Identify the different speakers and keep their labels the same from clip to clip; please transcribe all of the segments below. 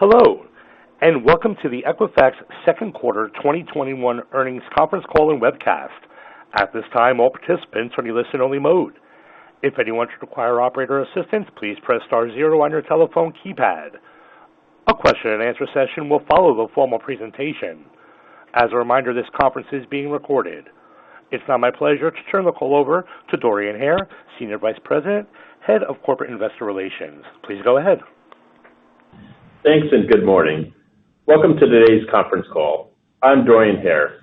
Speaker 1: Hello, welcome to the Equifax second quarter 2021 earnings conference call and webcast. At this time, all participants are in listen only mode. If anyone should require operator assistance, please press star zero on your telephone keypad. A question and answer session will follow the formal presentation. As a reminder, this conference is being recorded. It's now my pleasure to turn the call over to Dorian Hare, Senior Vice President, Head of Corporate Investor Relations. Please go ahead.
Speaker 2: Thanks, and good morning. Welcome to today's conference call. I'm Dorian Hare.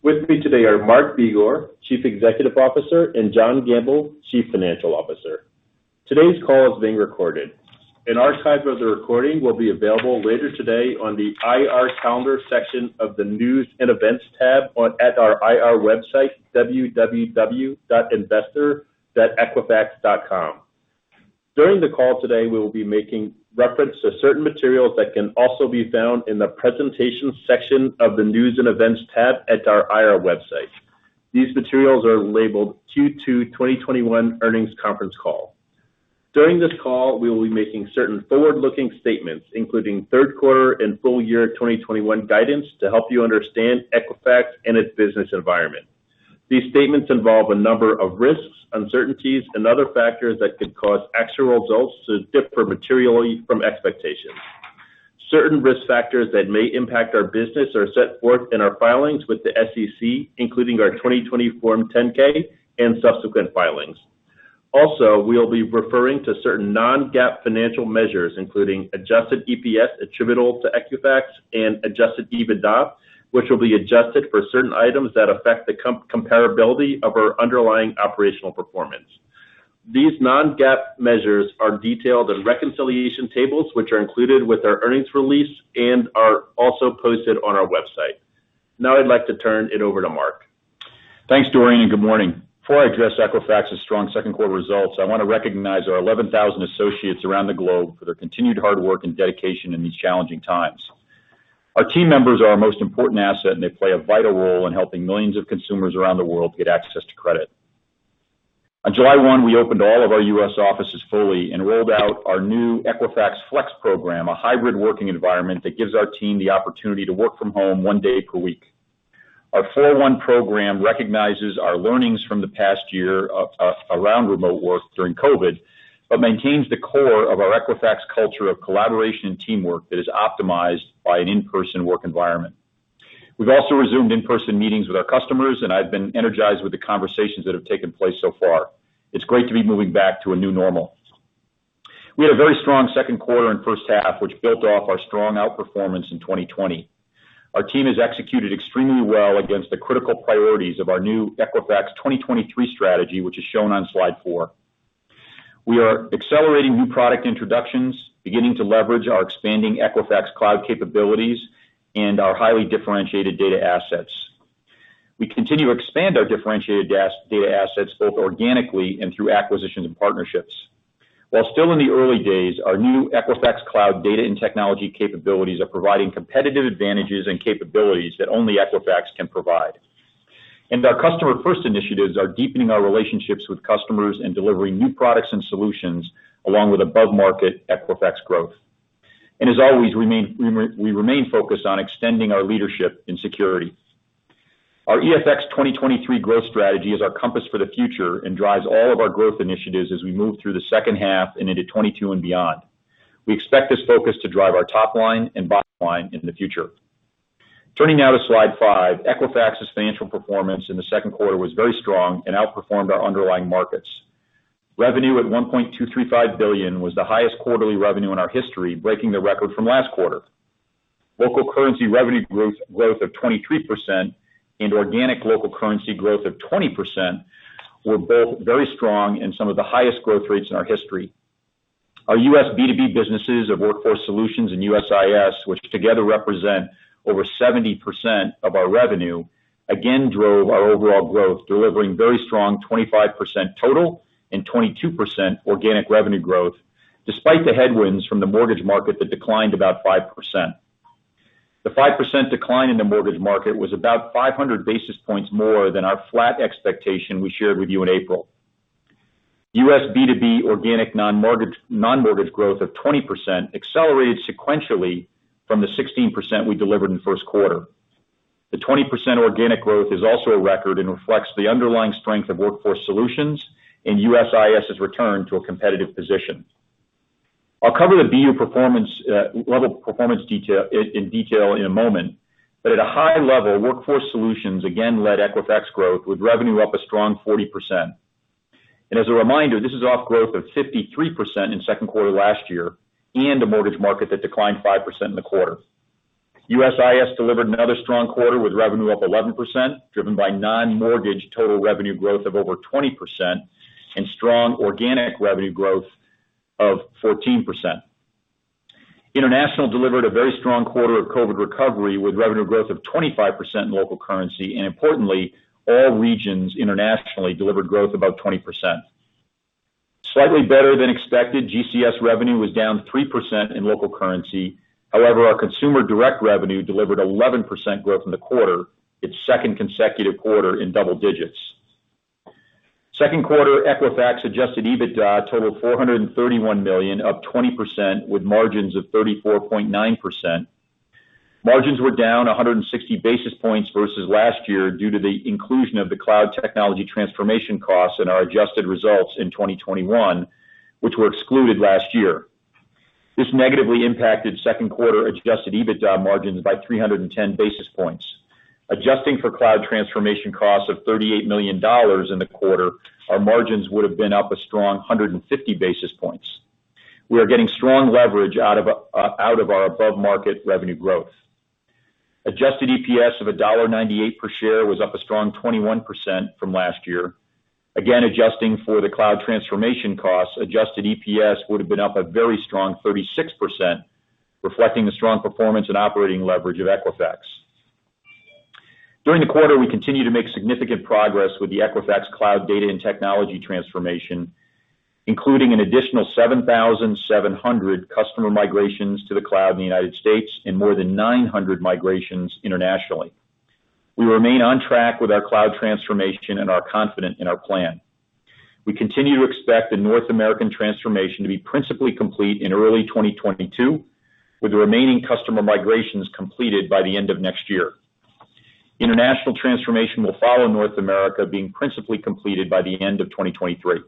Speaker 2: With me today are Mark Begor, Chief Executive Officer, and John Gamble, Chief Financial Officer. Today's call is being recorded. An archive of the recording will be available later today on the IR conference section of the News and Events tab at our IR website, www.investor.equifax.com. During the call today, we will be making reference to certain materials that can also be found in the Presentations section of the News and Events tab at our IR website. These materials are labeled Q2 2021 Earnings Conference Call. During this call, we will be making certain forward-looking statements, including third quarter and full year 2021 guidance to help you understand Equifax and its business environment. These statements involve a number of risks, uncertainties, and other factors that could cause actual results to differ materially from expectations. Certain risk factors that may impact our business are set forth in our filings with the SEC, including our 2020 Form 10-K and subsequent filings. We'll be referring to certain non-GAAP financial measures, including adjusted EPS attributable to Equifax and adjusted EBITDA, which will be adjusted for certain items that affect the comparability of our underlying operational performance. These non-GAAP measures are detailed in reconciliation tables, which are included with our earnings release and are also posted on our website. I'd like to turn it over to Mark.
Speaker 3: Thanks, Dorian Hare, good morning. Before I address Equifax's strong second quarter results, I want to recognize our 11,000 associates around the globe for their continued hard work and dedication in these challenging times. Our team members are our most important asset, and they play a vital role in helping millions of consumers around the world get access to credit. On July 1, we opened all of our U.S. offices fully and rolled out our new Equifax Flex program, a hybrid working environment that gives our team the opportunity to work from home one day per week. Our four one program recognizes our learnings from the past year around remote work during COVID-19, but maintains the core of our Equifax culture of collaboration and teamwork that is optimized by an in-person work environment. We've also resumed in-person meetings with our customers, and I've been energized with the conversations that have taken place so far. It's great to be moving back to a new normal. We had a very strong second quarter and first half, which built off our strong outperformance in 2020. Our team has executed extremely well against the critical priorities of our new Equifax 2023 strategy, which is shown on slide four. We are accelerating new product introductions, beginning to leverage our expanding Equifax Cloud capabilities, and our highly differentiated data assets. We continue to expand our differentiated data assets both organically and through acquisitions and partnerships. While still in the early days, our new Equifax Cloud data and technology capabilities are providing competitive advantages and capabilities that only Equifax can provide. Our customer first initiatives are deepening our relationships with customers and delivering new products and solutions along with above-market Equifax growth. As always, we remain focused on extending our leadership in security. Our EFX2023 growth strategy is our compass for the future and drives all of our growth initiatives as we move through the second half and into 2022 and beyond. We expect this focus to drive our top line and bottom line into the future. Turning now to slide five, Equifax's financial performance in the second quarter was very strong and outperformed our underlying markets. Revenue at $1.235 billion was the highest quarterly revenue in our history, breaking the record from last quarter. Local currency revenue growth of 23% and organic local currency growth of 20% were both very strong and some of the highest growth rates in our history. Our U.S. B2B businesses of Workforce Solutions and USIS, which together represent over 70% of our revenue, again drove our overall growth, delivering very strong 25% total and 22% organic revenue growth, despite the headwinds from the mortgage market that declined about 5%. The 5% decline in the mortgage market was about 500 basis points more than our flat expectation we shared with you in April. U.S. B2B organic non-mortgage growth of 20% accelerated sequentially from the 16% we delivered in the first quarter. The 20% organic growth is also a record and reflects the underlying strength of Workforce Solutions and USIS' return to a competitive position. I'll cover the BU level performance in detail in a moment, but at a high level, Workforce Solutions again led Equifax growth with revenue up a strong 40%. As a reminder, this is off growth of 53% in second quarter last year and a mortgage market that declined 5% in the quarter. USIS delivered another strong quarter with revenue up 11%, driven by non-mortgage total revenue growth of over 20% and strong organic revenue growth of 14%. International delivered a very strong quarter of COVID recovery with revenue growth of 25% in local currency. Importantly, all regions internationally delivered growth above 20%. Slightly better than expected GCS revenue was down 3% in local currency. However, our consumer direct revenue delivered 11% growth in the quarter, its second consecutive quarter in double digits. Second quarter Equifax adjusted EBITDA totaled $431 million, up 20%, with margins of 34.9%. Margins were down 160 basis points versus last year due to the inclusion of the cloud technology transformation costs and our adjusted results in 2021, which were excluded last year. This negatively impacted second quarter adjusted EBITDA margins by 310 basis points. Adjusting for cloud transformation costs of $38 million in the quarter, our margins would have been up a strong 150 basis points. We are getting strong leverage out of our above-market revenue growth. Adjusted EPS of $1.98 per share was up a strong 21% from last year. Again, adjusting for the cloud transformation costs, adjusted EPS would have been up a very strong 36%, reflecting the strong performance and operating leverage of Equifax. During the quarter, we continued to make significant progress with the Equifax Cloud data and technology transformation, including an additional 7,700 customer migrations to the cloud in the United States and more than 900 migrations internationally. We remain on track with our cloud transformation and are confident in our plan. We continue to expect the North American transformation to be principally complete in early 2022, with the remaining customer migrations completed by the end of next year. International transformation will follow North America, being principally completed by the end of 2023.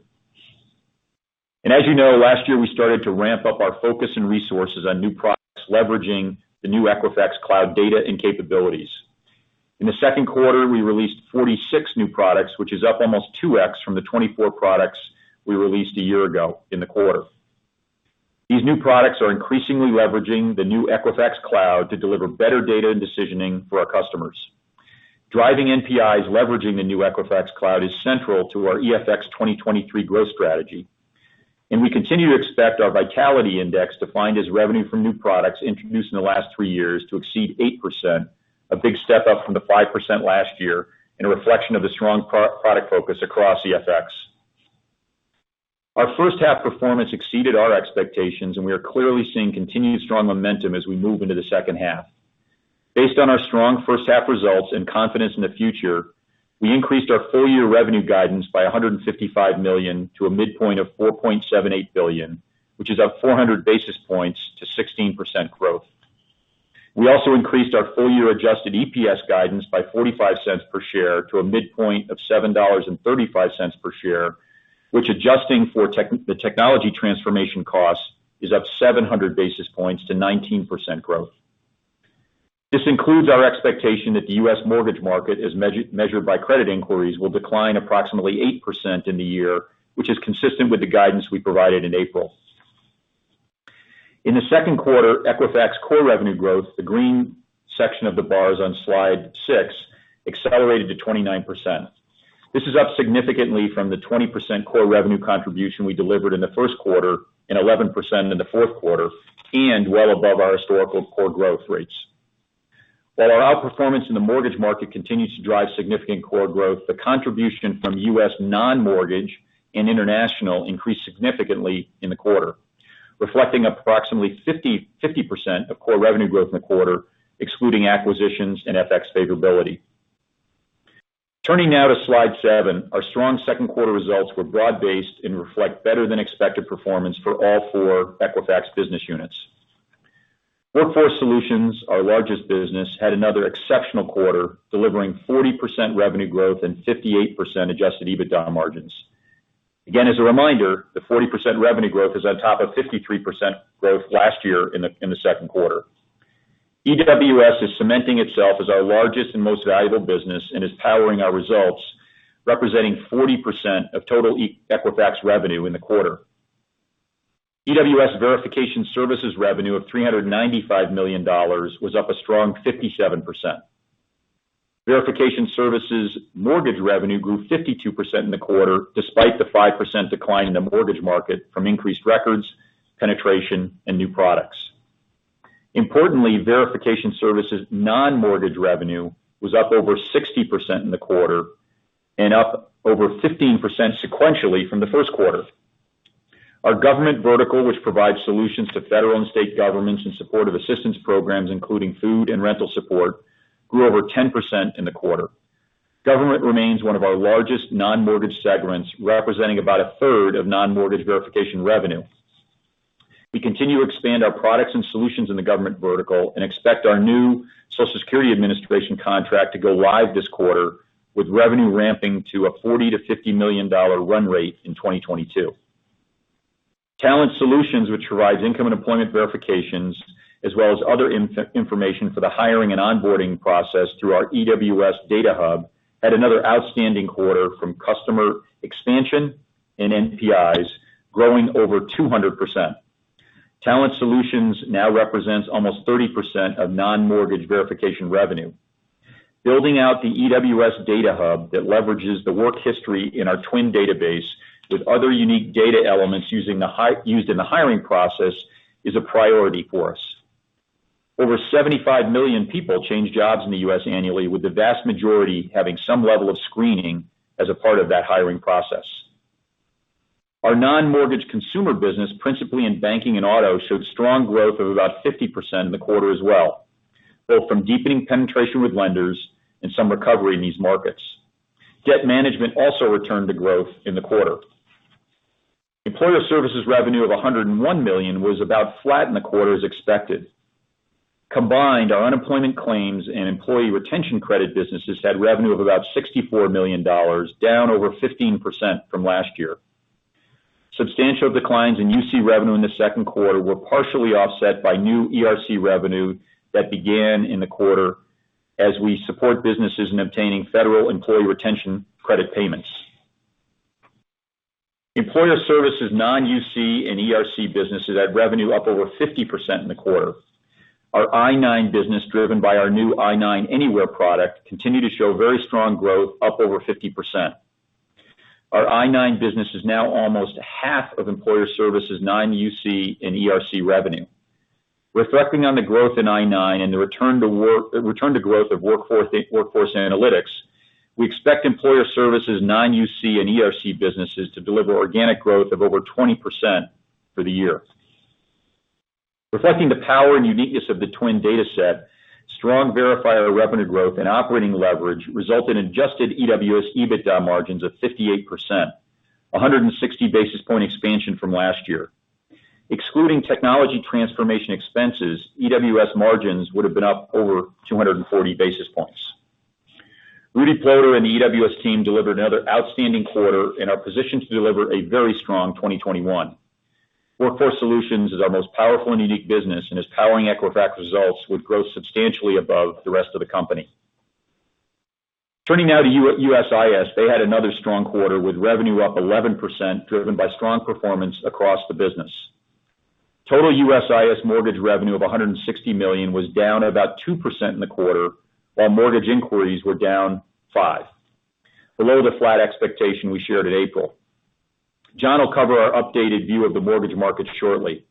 Speaker 3: As you know, last year we started to ramp up our focus and resources on new products, leveraging the new Equifax Cloud data and capabilities. In the second quarter, we released 46 new products, which is up almost 2x from the 24 products we released a year ago in the quarter. These new products are increasingly leveraging the new Equifax Cloud to deliver better data and decisioning for our customers. Driving NPIs, leveraging the new Equifax Cloud is central to our EFX2023 growth strategy, and we continue to expect our Vitality Index, defined as revenue from new products introduced in the last three years, to exceed 8%, a big step up from the 5% last year and a reflection of the strong product focus across EFX. Our first half performance exceeded our expectations, and we are clearly seeing continued strong momentum as we move into the second half. Based on our strong first half results and confidence in the future, we increased our full-year revenue guidance by $155 million to a midpoint of $4.78 billion, which is up 400 basis points to 16% growth. We also increased our full-year adjusted EPS guidance by $0.45 per share to a midpoint of $7.35 per share, which adjusting for the technology transformation cost is up 700 basis points to 19% growth. This includes our expectation that the U.S. mortgage market, as measured by credit inquiries, will decline approximately 8% in the year, which is consistent with the guidance we provided in April. In the second quarter, Equifax core revenue growth, the green section of the bars on slide 6, accelerated to 29%. This is up significantly from the 20% core revenue contribution we delivered in the first quarter and 11% in the fourth quarter, and well above our historical core growth rates. While our outperformance in the mortgage market continues to drive significant core growth, the contribution from U.S. non-mortgage and international increased significantly in the quarter, reflecting approximately 50% of core revenue growth in the quarter, excluding acquisitions and FX favorability. Turning now to slide seven. Our strong second quarter results were broad based and reflect better than expected performance for all four Equifax business units. Workforce Solutions, our largest business, had another exceptional quarter, delivering 40% revenue growth and 58% adjusted EBITDA margins. Again, as a reminder, the 40% revenue growth is on top of 53% growth last year in the second quarter. EWS is cementing itself as our largest and most valuable business and is powering our results, representing 40% of total Equifax revenue in the quarter. EWS verification services revenue of $395 million was up a strong 57%. Verification services mortgage revenue grew 52% in the quarter, despite the 5% decline in the mortgage market from increased records, penetration, and new products. Importantly, verification services non-mortgage revenue was up over 60% in the quarter and up over 15% sequentially from the first quarter. Our government vertical, which provides solutions to federal and state governments in support of assistance programs including food and rental support, grew over 10% in the quarter. Government remains one of our largest non-mortgage segments, representing about a third of non-mortgage verification revenue. We continue to expand our products and solutions in the government vertical and expect our new Social Security Administration contract to go live this quarter with revenue ramping to a $40 million-$50 million run rate in 2022. Talent Solutions, which provides income and employment verifications as well as other information for the hiring and onboarding process through our EWS data hub, had another outstanding quarter from customer expansion and NPIs growing over 200%. Talent Solutions now represents almost 30% of non-mortgage verification revenue. Building out the EWS data hub that leverages the work history in our TWN database with other unique data elements used in the hiring process is a priority for us. Over 75 million people change jobs in the U.S. annually, with the vast majority having some level of screening as a part of that hiring process. Our non-mortgage consumer business, principally in banking and auto, showed strong growth of about 50% in the quarter as well, both from deepening penetration with lenders and some recovery in these markets. Debt management also returned to growth in the quarter. Employer services revenue of $101 million was about flat in the quarter as expected. Combined, our unemployment claims and employee retention credit businesses had revenue of about $64 million, down over 15% from last year. Substantial declines in UC revenue in the second quarter were partially offset by new ERC revenue that began in the quarter as we support businesses in obtaining federal employee retention credit payments. Employer services non-UC and ERC businesses had revenue up over 50% in the quarter. Our I-9 business, driven by our new I-9 Anywhere product, continued to show very strong growth, up over 50%. Our I-9 business is now almost half of employer services non-UC and ERC revenue. Reflecting on the growth in I-9 and the return to growth of workforce analytics, we expect employer services non-UC and ERC businesses to deliver organic growth of over 20% for the year. Reflecting the power and uniqueness of the TWN data set, strong verifier revenue growth and operating leverage result in adjusted EWS EBITDA margins of 58%, 160 basis point expansion from last year. Excluding technology transformation expenses, EWS margins would've been up over 240 basis points. Rudy Ploder and the EWS team delivered another outstanding quarter and are positioned to deliver a very strong 2021. Workforce Solutions is our most powerful and unique business and is powering Equifax results with growth substantially above the rest of the company. Turning now to USIS, they had another strong quarter with revenue up 11%, driven by strong performance across the business. Total USIS mortgage revenue of $160 million was down about 2% in the quarter, while mortgage inquiries were down 5%, below the flat expectation we shared in April. John will cover our updated view of the mortgage market shortly.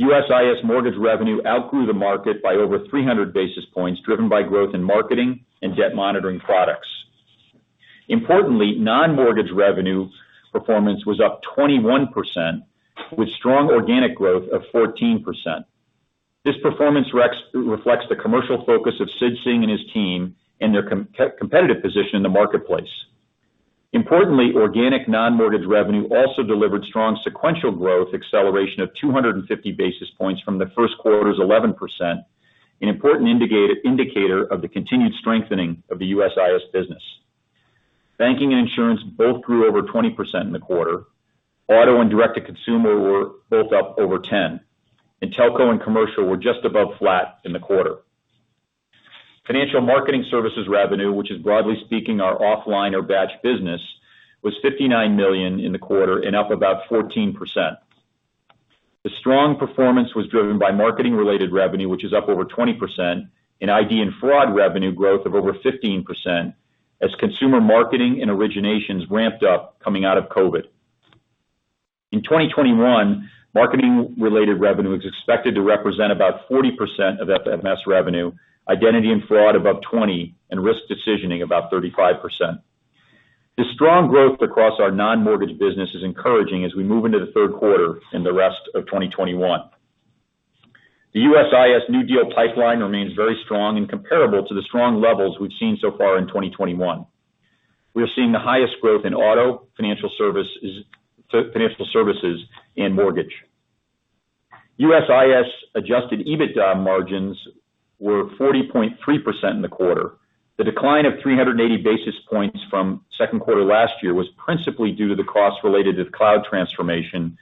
Speaker 3: USIS mortgage revenue outgrew the market by over 300 basis points, driven by growth in marketing and debt monitoring products. Importantly, non-mortgage revenue performance was up 21%, with strong organic growth of 14%. This performance reflects the commercial focus of Sid Singh and his team and their competitive position in the marketplace. Importantly, organic non-mortgage revenue also delivered strong sequential growth acceleration of 250 basis points from the first quarter's 11%, an important indicator of the continued strengthening of the USIS business. Banking and insurance both grew over 20% in the quarter. Auto and direct-to-consumer were both up over 10%. Telco and commercial were just above flat in the quarter. Financial marketing services revenue, which is broadly speaking our offline or batch business, was $59 million in the quarter and up about 14%. The strong performance was driven by marketing-related revenue, which is up over 20%, and ID and fraud revenue growth of over 15%, as consumer marketing and originations ramped up coming out of COVID-19. In 2021, marketing-related revenue is expected to represent about 40% of FMS revenue, identity and fraud above 20%, and risk decisioning about 35%. The strong growth across our non-mortgage business is encouraging as we move into the third quarter and the rest of 2021. The USIS new deal pipeline remains very strong and comparable to the strong levels we've seen so far in 2021. We are seeing the highest growth in auto, financial services, and mortgage. USIS adjusted EBITDA margins were 40.3% in the quarter. The decline of 380 basis points from second quarter last year was principally due to the cost related to the cloud transformation,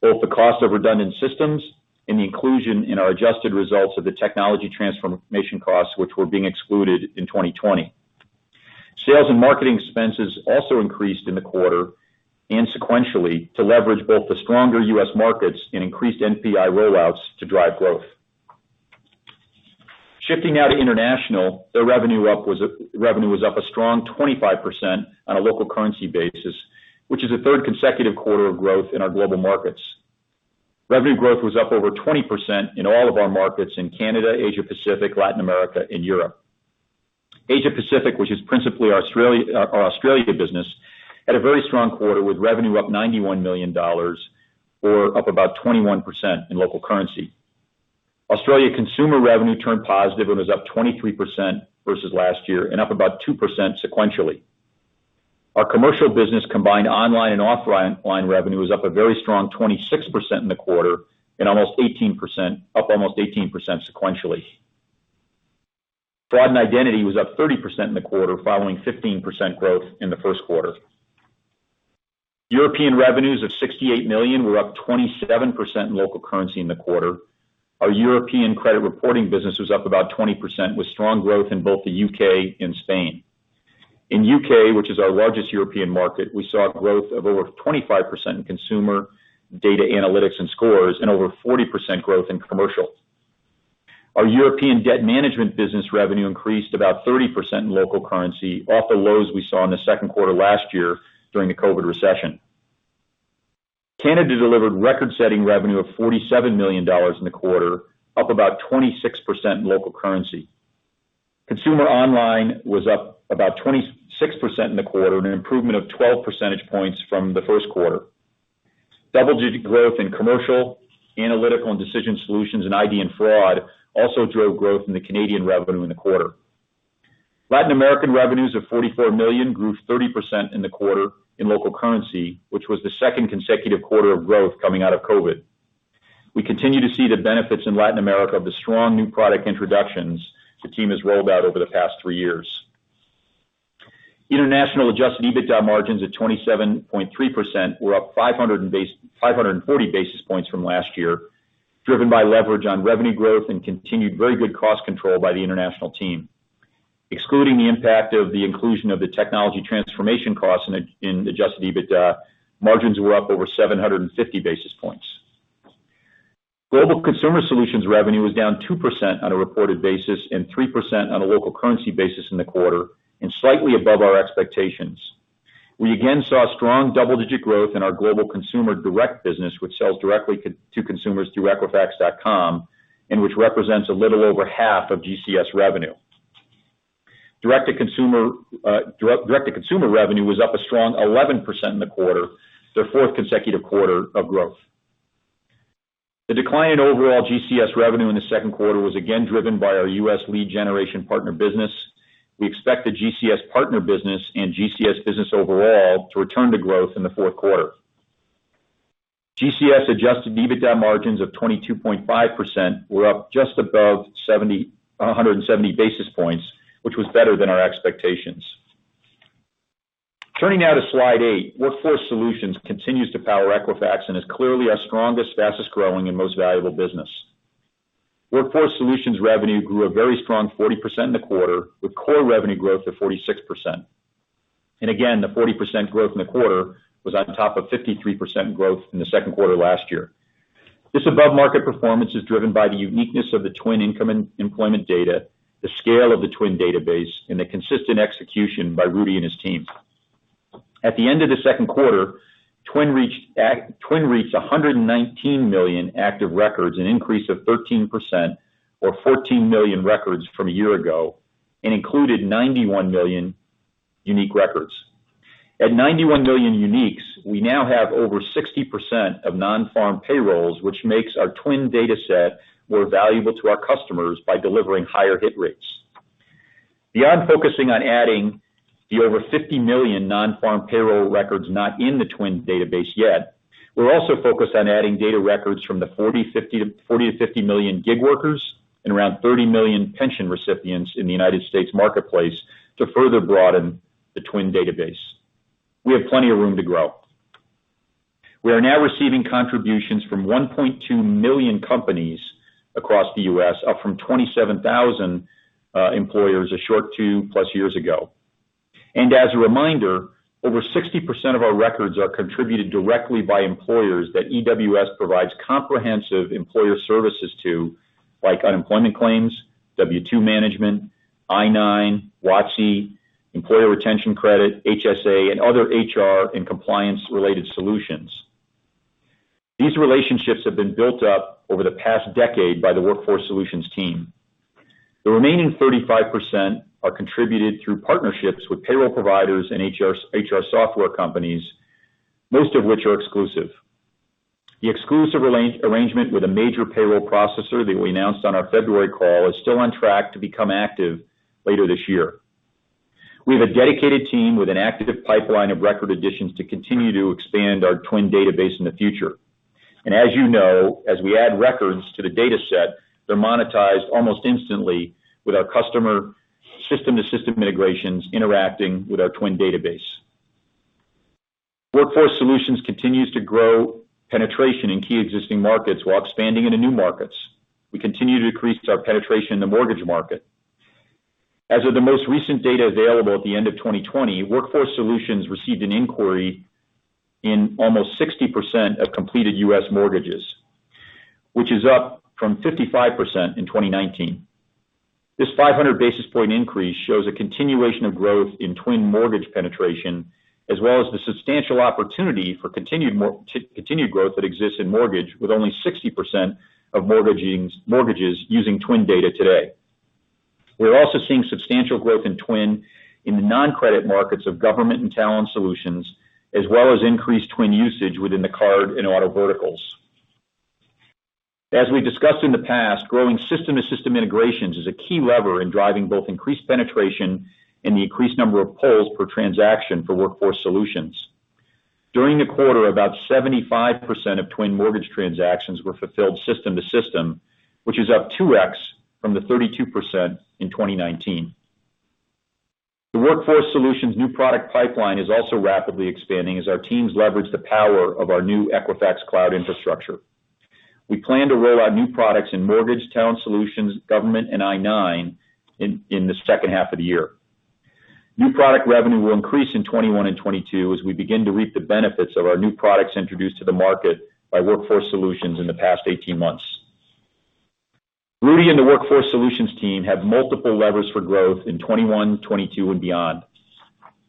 Speaker 3: both the cost of redundant systems and the inclusion in our adjusted results of the technology transformation costs, which were being excluded in 2020. Sales and marketing expenses also increased in the quarter and sequentially to leverage both the stronger U.S. markets and increased NPI rollouts to drive growth. Shifting now to international, their revenue was up a strong 25% on a local currency basis, which is the third consecutive quarter of growth in our global markets. Revenue growth was up over 20% in all of our markets in Canada, Asia Pacific, Latin America, and Europe. Asia Pacific, which is principally our Australia business, had a very strong quarter with revenue up $91 million or up about 21% in local currency. Australia consumer revenue turned positive and was up 23% versus last year and up about 2% sequentially. Our commercial business combined online and offline revenue was up a very strong 26% in the quarter and up almost 18% sequentially. Fraud and identity was up 30% in the quarter following 15% growth in the first quarter. European revenues of $68 million were up 27% in local currency in the quarter. Our European credit reporting business was up about 20%, with strong growth in both the U.K. and Spain. In U.K., which is our largest European market, we saw growth of over 25% in consumer data analytics and scores and over 40% growth in commercial. Our European debt management business revenue increased about 30% in local currency off the lows we saw in the second quarter last year during the COVID-19 recession. Canada delivered record-setting revenue of $47 million in the quarter, up about 26% in local currency. Consumer online was up about 26% in the quarter, an improvement of 12 percentage points from the first quarter. Double-digit growth in commercial, analytical and decision solutions, and ID and fraud also drove growth in the Canadian revenue in the quarter. Latin American revenues of $44 million grew 30% in the quarter in local currency, which was the second consecutive quarter of growth coming out of COVID-19. We continue to see the benefits in Latin America of the strong new product introductions the team has rolled out over the past three years. International adjusted EBITDA margins of 27.3% were up 540 basis points from last year, driven by leverage on revenue growth and continued very good cost control by the international team. Excluding the impact of the inclusion of the technology transformation costs in adjusted EBITDA, margins were up over 750 basis points. Global Consumer Solutions revenue was down 2% on a reported basis and 3% on a local currency basis in the quarter and slightly above our expectations. We again saw strong double-digit growth in our global consumer direct business, which sells directly to consumers through equifax.com and which represents a little over half of GCS revenue. Direct-to-consumer revenue was up a strong 11% in the quarter, their fourth consecutive quarter of growth. The decline in overall GCS revenue in the second quarter was again driven by our U.S. lead generation partner business. We expect the GCS partner business and GCS business overall to return to growth in the fourth quarter. GCS adjusted EBITDA margins of 22.5% were up just above 170 basis points, which was better than our expectations. Turning now to slide eight, Workforce Solutions continues to power Equifax and is clearly our strongest, fastest-growing, and most valuable business. Workforce Solutions revenue grew a very strong 40% in the quarter, with core revenue growth of 46%. Again, the 40% growth in the quarter was on top of 53% growth in the second quarter last year. This above-market performance is driven by the uniqueness of the TWN employment data, the scale of the TWN database, and the consistent execution by Rudy and his team. At the end of the second quarter, TWN reached 119 million active records, an increase of 13% or 14 million records from a year ago, and included 91 million unique records. At 91 million uniques, we now have over 60% of non-farm payrolls, which makes our TWN data set more valuable to our customers by delivering higher hit rates. Beyond focusing on adding the over 50 million non-farm payroll records not in the TWN database yet, we're also focused on adding data records from the 40 million-50 million gig workers and around 30 million pension recipients in the U.S. marketplace to further broaden the TWN database. We have plenty of room to grow. We are now receiving contributions from 1.2 million companies across the U.S., up from 27,000 employers a short two-plus years ago. As a reminder, over 60% of our records are contributed directly by employers that EWS provides comprehensive employer services to, like unemployment claims, W2 management, I-9, WOTC, Employer Retention Credit, HSA, and other HR and compliance-related solutions. These relationships have been built up over the past decade by the Workforce Solutions team. The remaining 35% are contributed through partnerships with payroll providers and HR software companies, most of which are exclusive. The exclusive arrangement with a major payroll processor that we announced on our February call is still on track to become active later this year. We have a dedicated team with an active pipeline of record additions to continue to expand our TWN database in the future. As you know, as we add records to the data set, they're monetized almost instantly with our customer system-to-system integrations interacting with our TWN database. Workforce Solutions continues to grow penetration in key existing markets while expanding into new markets. We continue to increase our penetration in the mortgage market. As of the most recent data available at the end of 2020, Workforce Solutions received an inquiry in almost 60% of completed U.S. mortgages, which is up from 55% in 2019. This 500 basis point increase shows a continuation of growth in TWN mortgage penetration, as well as the substantial opportunity for continued growth that exists in mortgage, with only 60% of mortgages using TWN data today. We are also seeing substantial growth in TWN in the non-credit markets of government and Talent Solutions, as well as increased TWN usage within the card and auto verticals. As we discussed in the past, growing system-to-system integrations is a key lever in driving both increased penetration and the increased number of pulls per transaction for Workforce Solutions. During the quarter, about 75% of TWN mortgage transactions were fulfilled system to system, which is up 2X from the 32% in 2019. The Workforce Solutions new product pipeline is also rapidly expanding as our teams leverage the power of our new Equifax Cloud infrastructure. We plan to roll out new products in mortgage, Talent Solutions, government, and I-9 in the second half of the year. New product revenue will increase in 2021 and 2022 as we begin to reap the benefits of our new products introduced to the market by Workforce Solutions in the past 18 months. Rudy and the Workforce Solutions team have multiple levers for growth in 2021, 2022, and beyond.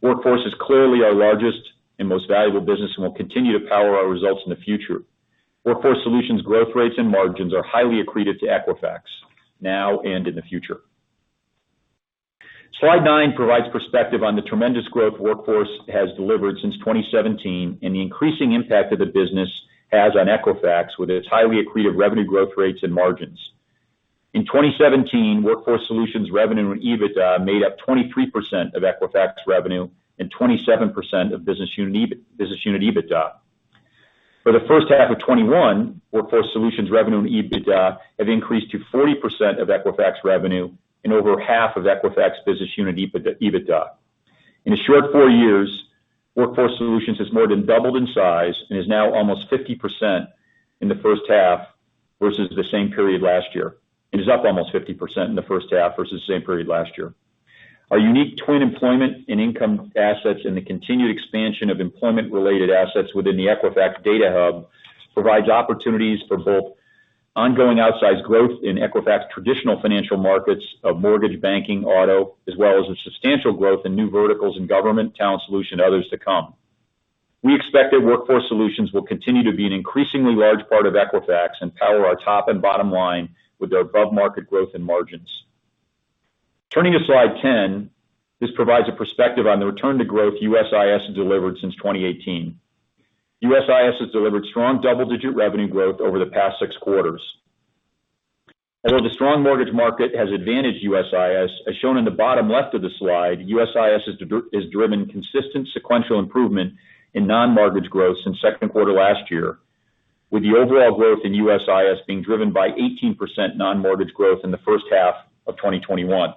Speaker 3: Workforce is clearly our largest and most valuable business and will continue to power our results in the future. Workforce Solutions growth rates and margins are highly accretive to Equifax now and in the future. Slide nine provides perspective on the tremendous growth Workforce has delivered since 2017 and the increasing impact of the business has on Equifax with its highly accretive revenue growth rates and margins. In 2017, Workforce Solutions revenue and EBITDA made up 23% of Equifax revenue and 27% of business unit EBITDA. For the first half of 2021, Workforce Solutions revenue and EBITDA have increased to 40% of Equifax revenue and over half of Equifax business unit EBITDA. In a short four years, Workforce Solutions has more than doubled in size and is up almost 50% in the first half versus the same period last year. Our unique TWN employment and income assets and the continued expansion of employment-related assets within the Equifax Data Hub provides opportunities for both ongoing outsized growth in Equifax traditional financial markets of mortgage banking, auto, as well as a substantial growth in new verticals in government, Talent Solution, others to come. We expect that Workforce Solutions will continue to be an increasingly large part of Equifax and power our top and bottom line with their above-market growth and margins. Turning to slide 10, this provides a perspective on the return to growth USIS has delivered since 2018. USIS has delivered strong double-digit revenue growth over the past six quarters. Although the strong mortgage market has advantaged USIS, as shown in the bottom left of the slide, USIS has driven consistent sequential improvement in non-mortgage growth since second quarter last year, with the overall growth in USIS being driven by 18% non-mortgage growth in the first half of 2021.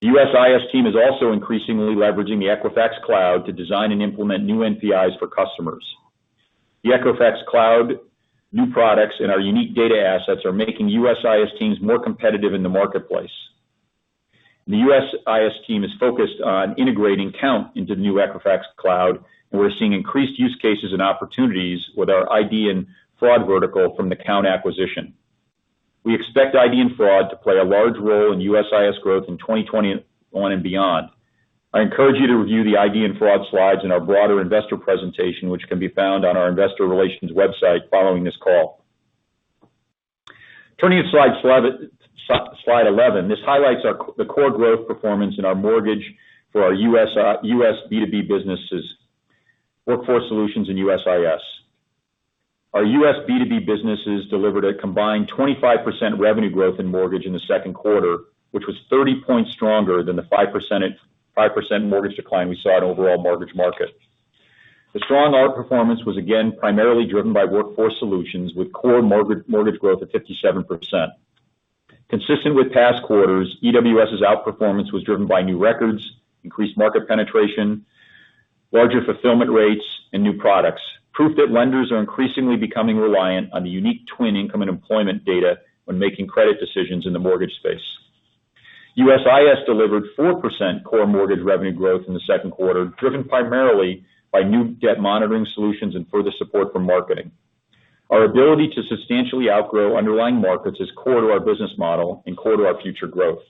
Speaker 3: The USIS team is also increasingly leveraging the Equifax Cloud to design and implement new NPIs for customers. The Equifax Cloud new products and our unique data assets are making USIS teams more competitive in the marketplace. The USIS team is focused on integrating Kount into the new Equifax Cloud. We're seeing increased use cases and opportunities with our ID and fraud vertical from the Kount acquisition. We expect ID and fraud to play a large role in USIS growth in 2020 on and beyond. I encourage you to review the ID and fraud slides in our broader investor presentation, which can be found on our investor relations website following this call. Turning to slide 11, this highlights the core growth performance in our mortgage for our U.S. B2B businesses, Workforce Solutions and USIS. Our U.S. B2B businesses delivered a combined 25% revenue growth in mortgage in the second quarter, which was 30 points stronger than the 5% mortgage decline we saw in overall mortgage market. The strong outperformance was again primarily driven by Workforce Solutions with core mortgage growth of 57%. Consistent with past quarters, EWS's outperformance was driven by new records, increased market penetration, larger fulfillment rates, and new products. Proof that lenders are increasingly becoming reliant on the unique TWN income and employment data when making credit decisions in the mortgage space. USIS delivered 4% core mortgage revenue growth in the second quarter, driven primarily by new debt monitoring solutions and further support from marketing. Our ability to substantially outgrow underlying markets is core to our business model and core to our future growth.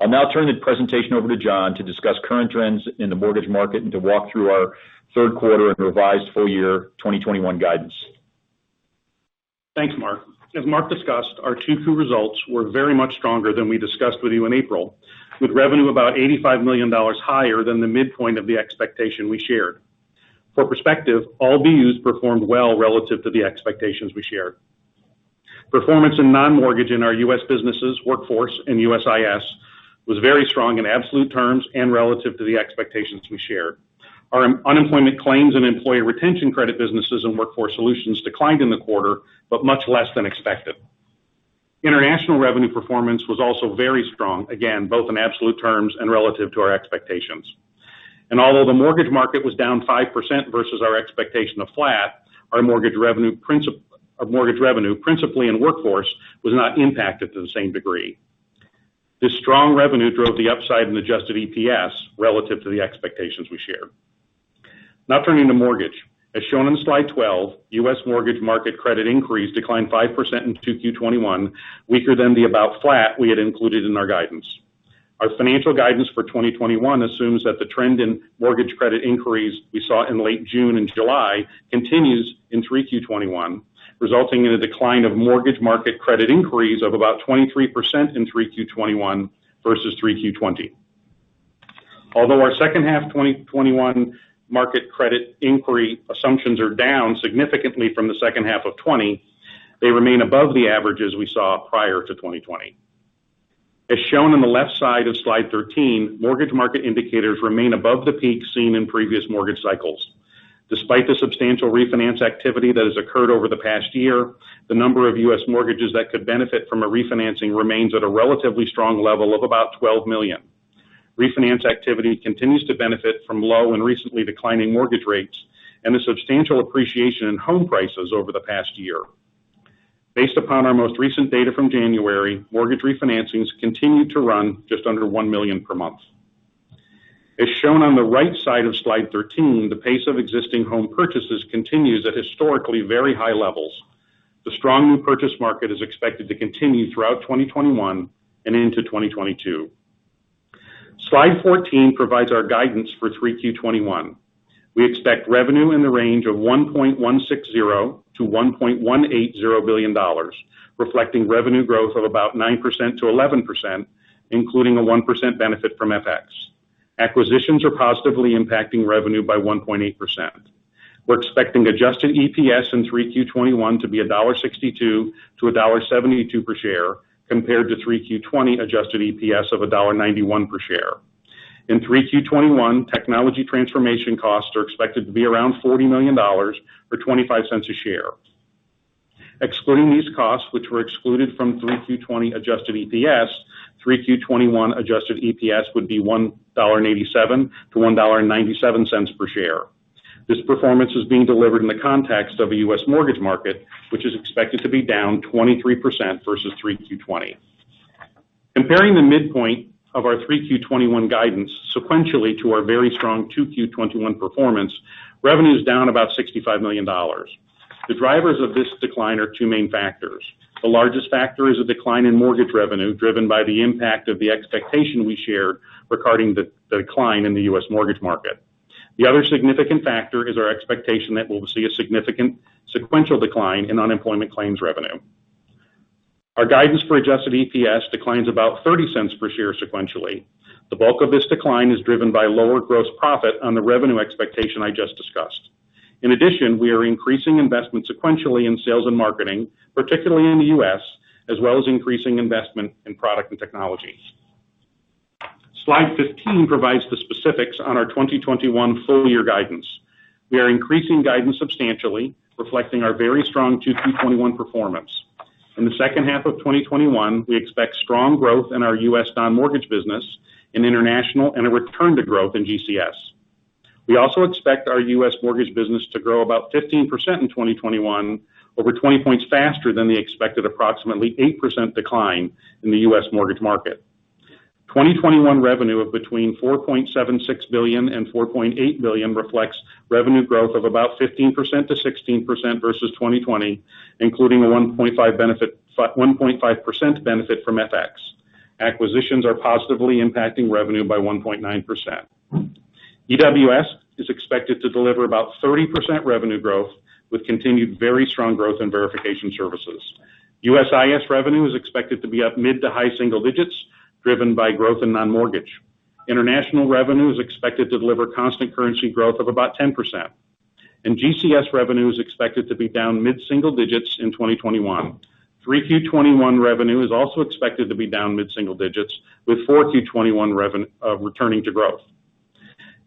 Speaker 3: I'll now turn the presentation over to John to discuss current trends in the mortgage market and to walk through our third quarter and revised full year 2021 guidance.
Speaker 4: Thanks, Mark. As Mark discussed, our 2Q results were very much stronger than we discussed with you in April, with revenue about $85 million higher than the midpoint of the expectation we shared. For perspective, all BUs performed well relative to the expectations we shared. Performance in non-mortgage in our U.S. businesses, Workforce and USIS, was very strong in absolute terms and relative to the expectations we shared. Our unemployment claims and employee retention credit businesses and Workforce Solutions declined in the quarter, but much less than expected. International revenue performance was also very strong, again, both in absolute terms and relative to our expectations. Although the mortgage market was down 5% versus our expectation of flat, our mortgage revenue principally in Workforce was not impacted to the same degree. This strong revenue drove the upside in adjusted EPS relative to the expectations we shared. Now turning to mortgage. As shown in slide 12, U.S. mortgage market credit inquiries declined 5% in 2Q 2021, weaker than the about flat we had included in our guidance. Our financial guidance for 2021 assumes that the trend in mortgage credit inquiries we saw in late June and July continues in 3Q 2021, resulting in a decline of mortgage market credit inquiries of about 23% in 3Q 2021 versus 3Q 2020. Although our second half 2021 market credit inquiry assumptions are down significantly from the second half of 2020, they remain above the averages we saw prior to 2020. As shown on the left side of slide 13, mortgage market indicators remain above the peak seen in previous mortgage cycles. Despite the substantial refinance activity that has occurred over the past year, the number of U.S. mortgages that could benefit from a refinancing remains at a relatively strong level of about 12 million. Refinance activity continues to benefit from low and recently declining mortgage rates and the substantial appreciation in home prices over the past year. Based upon our most recent data from January, mortgage refinancings continued to run just under one million per month. As shown on the right side of slide 13, the pace of existing home purchases continues at historically very high levels. The strong new purchase market is expected to continue throughout 2021 and into 2022. Slide 14 provides our guidance for 3Q21. We expect revenue in the range of $1.160 to $1.180 billion, reflecting revenue growth of about 9% to 11%, including a 1% benefit from FX. Acquisitions are positively impacting revenue by 1.8%. We're expecting adjusted EPS in 3Q21 to be $1.62 to $1.72 per share, compared to 3Q20 adjusted EPS of $1.91 per share. In 3Q21, technology transformation costs are expected to be around $40 million, or $0.25 a share. Excluding these costs, which were excluded from 3Q20 adjusted EPS, 3Q21 adjusted EPS would be $1.87-$1.97 per share. This performance is being delivered in the context of a U.S. mortgage market, which is expected to be down 23% versus 3Q20. Comparing the midpoint of our 3Q21 guidance sequentially to our very strong 2Q21 performance, revenue is down about $65 million. The drivers of this decline are two main factors. The largest factor is a decline in mortgage revenue driven by the impact of the expectation we share regarding the decline in the U.S. mortgage market. The other significant factor is our expectation that we'll see a significant sequential decline in unemployment claims revenue. Our guidance for adjusted EPS declines about $0.30 per share sequentially. The bulk of this decline is driven by lower gross profit on the revenue expectation I just discussed. In addition, we are increasing investment sequentially in sales and marketing, particularly in the U.S., as well as increasing investment in product and technology. Slide 15 provides the specifics on our 2021 full-year guidance. We are increasing guidance substantially, reflecting our very strong 2Q21 performance. In the second half of 2021, we expect strong growth in our U.S. non-mortgage business, in international, and a return to growth in GCS. We also expect our U.S. mortgage business to grow about 15% in 2021, over 20 points faster than the expected approximately 8% decline in the U.S. mortgage market. 2021 revenue of between $4.76 billion-$4.8 billion reflects revenue growth of about 15%-16% versus 2020, including a 1.5% benefit from FX. Acquisitions are positively impacting revenue by 1.9%. EWS is expected to deliver about 30% revenue growth, with continued very strong growth in verification services. USIS revenue is expected to be up mid to high single digits, driven by growth in non-mortgage. International revenue is expected to deliver constant currency growth of about 10%. GCS revenue is expected to be down mid-single digits in 2021. 3Q21 revenue is also expected to be down mid-single digits, with 4Q21 returning to growth.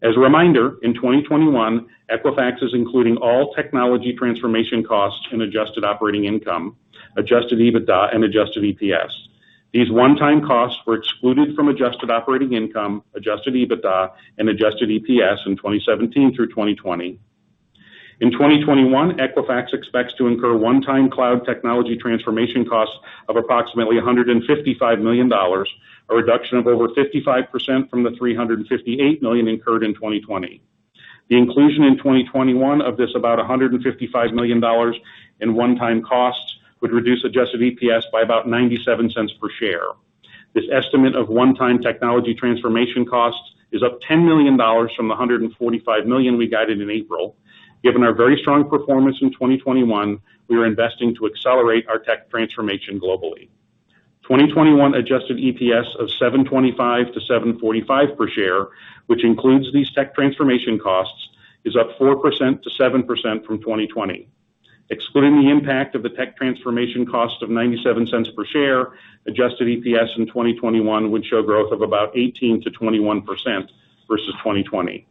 Speaker 4: As a reminder, in 2021, Equifax is including all technology transformation costs in adjusted operating income, adjusted EBITDA, and adjusted EPS. These one-time costs were excluded from adjusted operating income, adjusted EBITDA, and adjusted EPS in 2017 through 2020. In 2021, Equifax expects to incur one-time cloud technology transformation costs of approximately $155 million, a reduction of over 55% from the $358 million incurred in 2020. The inclusion in 2021 of this about $155 million in one-time costs would reduce adjusted EPS by about $0.97 per share. This estimate of one-time technology transformation costs is up $10 million from the $145 million we guided in April. Given our very strong performance in 2021, we are investing to accelerate our tech transformation globally. 2021 adjusted EPS of $7.25-$7.45 per share, which includes these tech transformation costs, is up 4%-7% from 2020. Excluding the impact of the tech transformation cost of $0.97 per share, adjusted EPS in 2021 would show growth of about 18%-21% versus 2020.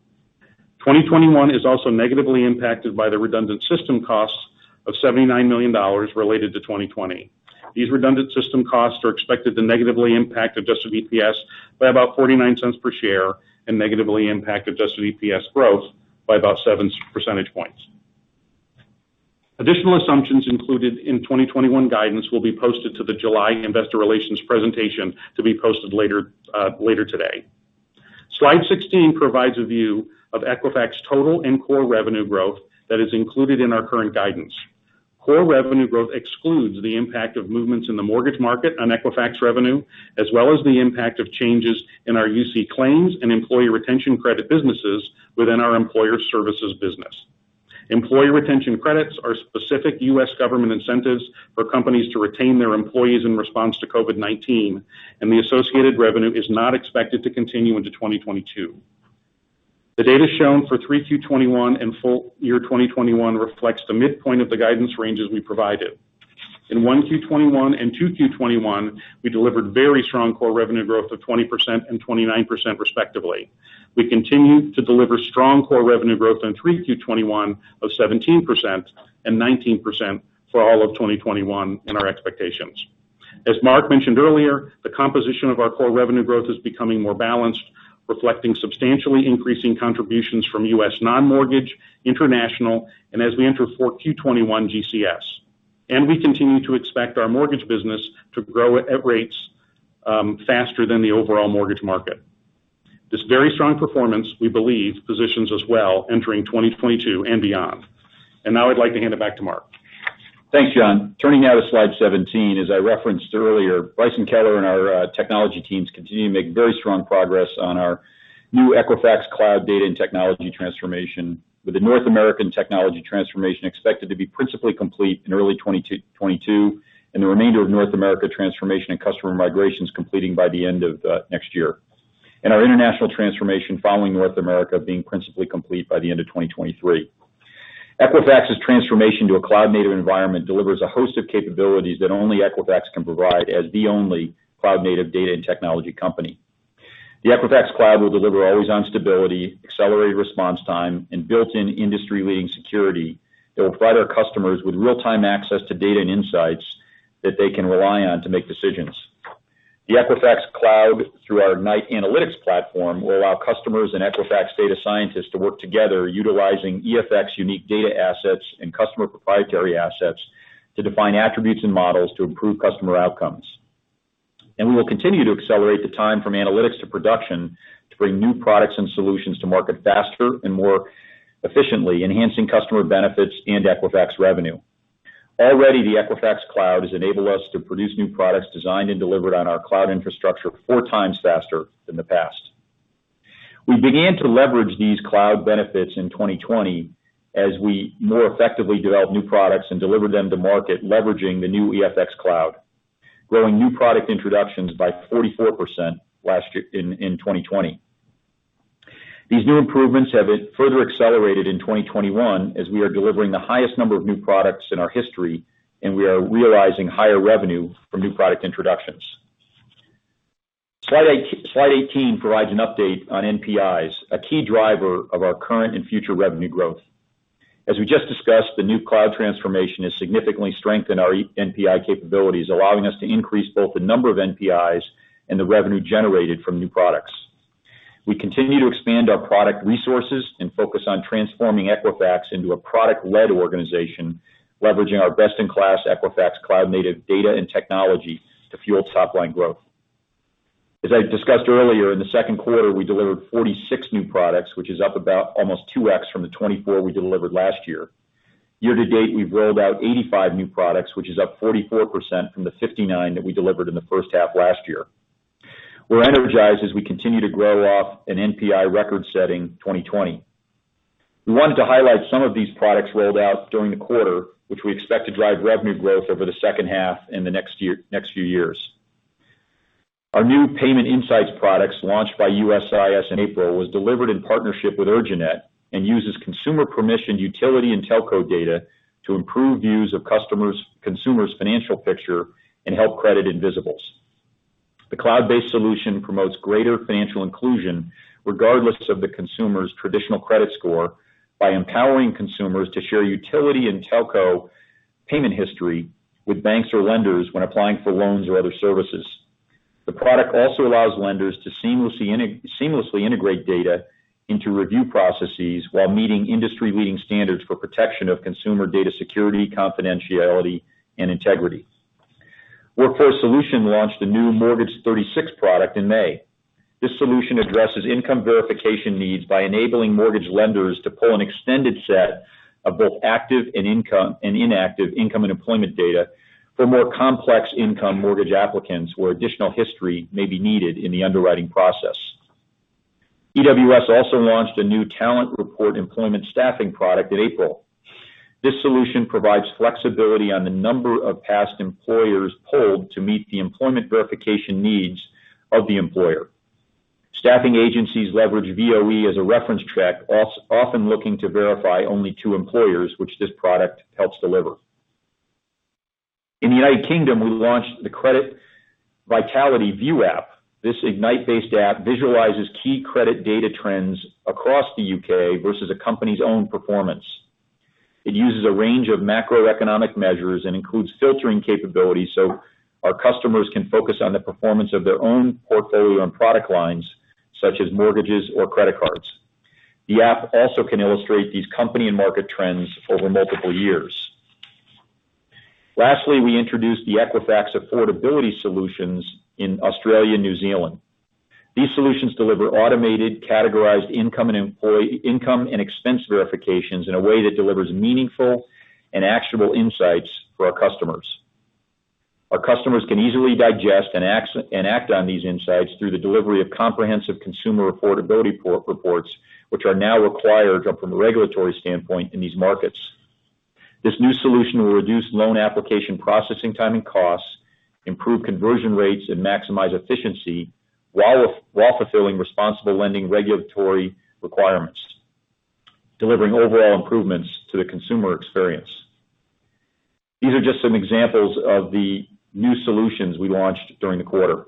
Speaker 4: 2021 is also negatively impacted by the redundant system costs of $79 million related to 2020. These redundant system costs are expected to negatively impact adjusted EPS by about $0.49 per share and negatively impact adjusted EPS growth by about seven percentage points. Additional assumptions included in 2021 guidance will be posted to the July investor relations presentation to be posted later today. Slide 16 provides a view of Equifax total and core revenue growth that is included in our current guidance. Core revenue growth excludes the impact of movements in the mortgage market on Equifax revenue, as well as the impact of changes in our UC claims and Employee Retention Credit businesses within our employer services business. Employee Retention Credits are specific U.S. government incentives for companies to retain their employees in response to COVID-19, and the associated revenue is not expected to continue into 2022. The data shown for 3Q21 and full year 2021 reflects the midpoint of the guidance ranges we provided. In 1Q21 and 2Q21, we delivered very strong core revenue growth of 20% and 29% respectively. We continue to deliver strong core revenue growth in 3Q21 of 17% and 19% for all of 2021 in our expectations. As Mark mentioned earlier, the composition of our core revenue growth is becoming more balanced, reflecting substantially increasing contributions from U.S. non-mortgage, international, and as we enter 4Q21, GCS. We continue to expect our mortgage business to grow at rates faster than the overall mortgage market. This very strong performance, we believe, positions us well entering 2022 and beyond. Now I'd like to hand it back to Mark.
Speaker 3: Thanks, John. Turning now to slide 17, as I referenced earlier, Bryson Koehler and our technology teams continue to make very strong progress on our new Equifax Cloud data and technology transformation, with the North American technology transformation expected to be principally complete in early 2022, and the remainder of North America transformation and customer migrations completing by the end of next year. Our international transformation following North America being principally complete by the end of 2023. Equifax's transformation to a cloud-native environment delivers a host of capabilities that only Equifax can provide as the only cloud-native data and technology company. The Equifax Cloud will deliver always-on stability, accelerated response time, and built-in industry-leading security that will provide our customers with real-time access to data and insights that they can rely on to make decisions. The Equifax Cloud, through our Ignite Analytics platform, will allow customers and Equifax data scientists to work together utilizing EFX unique data assets and customer proprietary assets to define attributes and models to improve customer outcomes. We will continue to accelerate the time from analytics to production to bring new products and solutions to market faster and more efficiently, enhancing customer benefits and Equifax revenue. Already, the Equifax Cloud has enabled us to produce new products designed and delivered on our cloud infrastructure four times faster than the past. We began to leverage these cloud benefits in 2020 as we more effectively developed new products and delivered them to market leveraging the new EFX Cloud, growing new product introductions by 44% in 2020. These new improvements have further accelerated in 2021 as we are delivering the highest number of new products in our history. We are realizing higher revenue from new product introductions. Slide 18 provides an update on NPIs, a key driver of our current and future revenue growth. As we just discussed, the new cloud transformation has significantly strengthened our NPI capabilities, allowing us to increase both the number of NPIs and the revenue generated from new products. We continue to expand our product resources and focus on transforming Equifax into a product-led organization, leveraging our best-in-class Equifax Cloud-native data and technology to fuel top-line growth. As I discussed earlier, in the second quarter, we delivered 46 new products, which is up about almost 2x from the 24 we delivered last year. Year to date, we've rolled out 85 new products, which is up 44% from the 59 that we delivered in the first half last year. We're energized as we continue to grow off an NPI record-setting 2020. We wanted to highlight some of these products rolled out during the quarter, which we expect to drive revenue growth over the second half and the next few years. Our new Payment Insights products, launched by USIS in April, was delivered in partnership with Urjanet and uses consumer permission utility and telco data to improve views of consumers' financial picture and help credit invisibles. The cloud-based solution promotes greater financial inclusion regardless of the consumer's traditional credit score by empowering consumers to share utility and telco payment history with banks or lenders when applying for loans or other services. The product also allows lenders to seamlessly integrate data into review processes while meeting industry-leading standards for protection of consumer data security, confidentiality, and integrity. Workforce Solutions launched a new Mortgage 36 product in May. This solution addresses income verification needs by enabling mortgage lenders to pull an extended set of both active and inactive income and employment data for more complex income mortgage applicants where additional history may be needed in the underwriting process. EWS also launched a new Talent Report Employment staffing product in April. This solution provides flexibility on the number of past employers pulled to meet the employment verification needs of the employer. Staffing agencies leverage VOE as a reference check, often looking to verify only two employers, which this product helps deliver. In the United Kingdom, we launched the Credit Vitality View app. This Ignite-based app visualizes key credit data trends across the U.K. versus a company's own performance. It uses a range of macroeconomic measures and includes filtering capabilities so our customers can focus on the performance of their own portfolio and product lines, such as mortgages or credit cards. The app also can illustrate these company and market trends over multiple years. Lastly, we introduced the Equifax Affordability Solutions in Australia and New Zealand. These solutions deliver automated, categorized income and expense verifications in a way that delivers meaningful and actionable insights for our customers. Our customers can easily digest and act on these insights through the delivery of comprehensive consumer affordability reports, which are now required from a regulatory standpoint in these markets. This new solution will reduce loan application processing time and costs, improve conversion rates, and maximize efficiency while fulfilling responsible lending regulatory requirements, delivering overall improvements to the consumer experience. These are just some examples of the new solutions we launched during the quarter.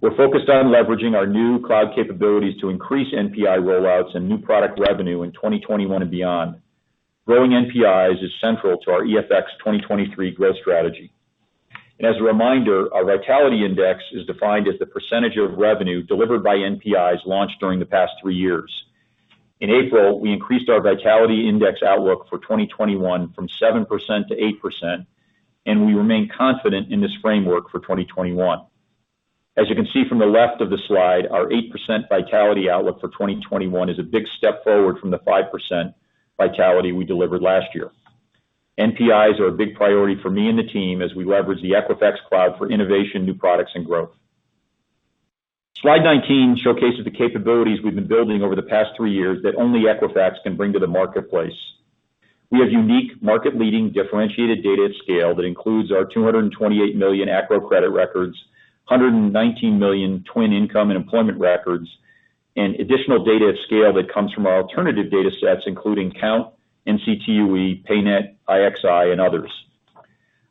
Speaker 3: We're focused on leveraging our new cloud capabilities to increase NPI rollouts and new product revenue in 2021 and beyond. Growing NPIs is central to our EFX2023 growth strategy. As a reminder, our Vitality Index is defined as the percentage of revenue delivered by NPIs launched during the past three years. In April, we increased our Vitality Index outlook for 2021 from 7%-8%, and we remain confident in this framework for 2021. As you can see from the left of the slide, our 8% Vitality Index outlook for 2021 is a big step forward from the 5% Vitality Index we delivered last year. NPIs are a big priority for me and the team as we leverage the Equifax Cloud for innovation, new products, and growth. Slide 19 showcases the capabilities we've been building over the past three years that only Equifax can bring to the marketplace. We have unique market leading differentiated data at scale that includes our 228 million ACRO credit records, 119 million TWN income and employment records, and additional data at scale that comes from our alternative data sets, including Kount, NCTUE, PayNet, IXI, and others.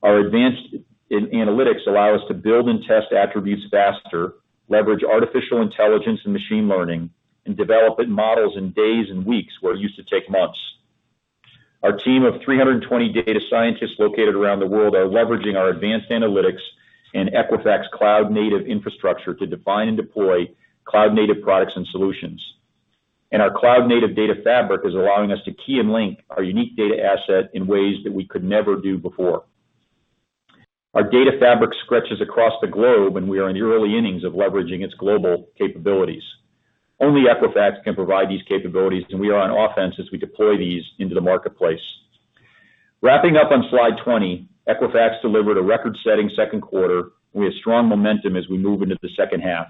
Speaker 3: Our advanced analytics allow us to build and test attributes faster, leverage artificial intelligence and machine learning, and develop models in days and weeks where it used to take months. Our team of 320 data scientists located around the world are leveraging our advanced analytics and Equifax cloud-native infrastructure to define and deploy cloud-native products and solutions. Our cloud-native data fabric is allowing us to key and link our unique data asset in ways that we could never do before. Our data fabric stretches across the globe, and we are in the early innings of leveraging its global capabilities. Only Equifax can provide these capabilities, and we are on offense as we deploy these into the marketplace. Wrapping up on slide 20, Equifax delivered a record-setting second quarter. We have strong momentum as we move into the second half.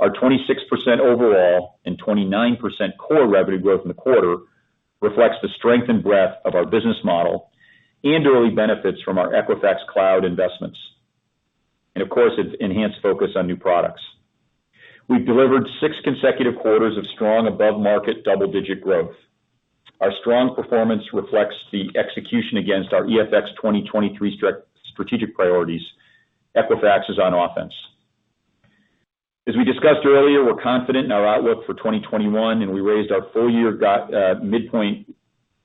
Speaker 3: Our 26% overall and 29% core revenue growth in the quarter reflects the strength and breadth of our business model and early benefits from our Equifax Cloud investments. Of course, its enhanced focus on new products. We've delivered six consecutive quarters of strong above-market double-digit growth. Our strong performance reflects the execution against our EFX2023 strategic priorities. Equifax is on offense. As we discussed earlier, we're confident in our outlook for 2021, and we raised our full year midpoint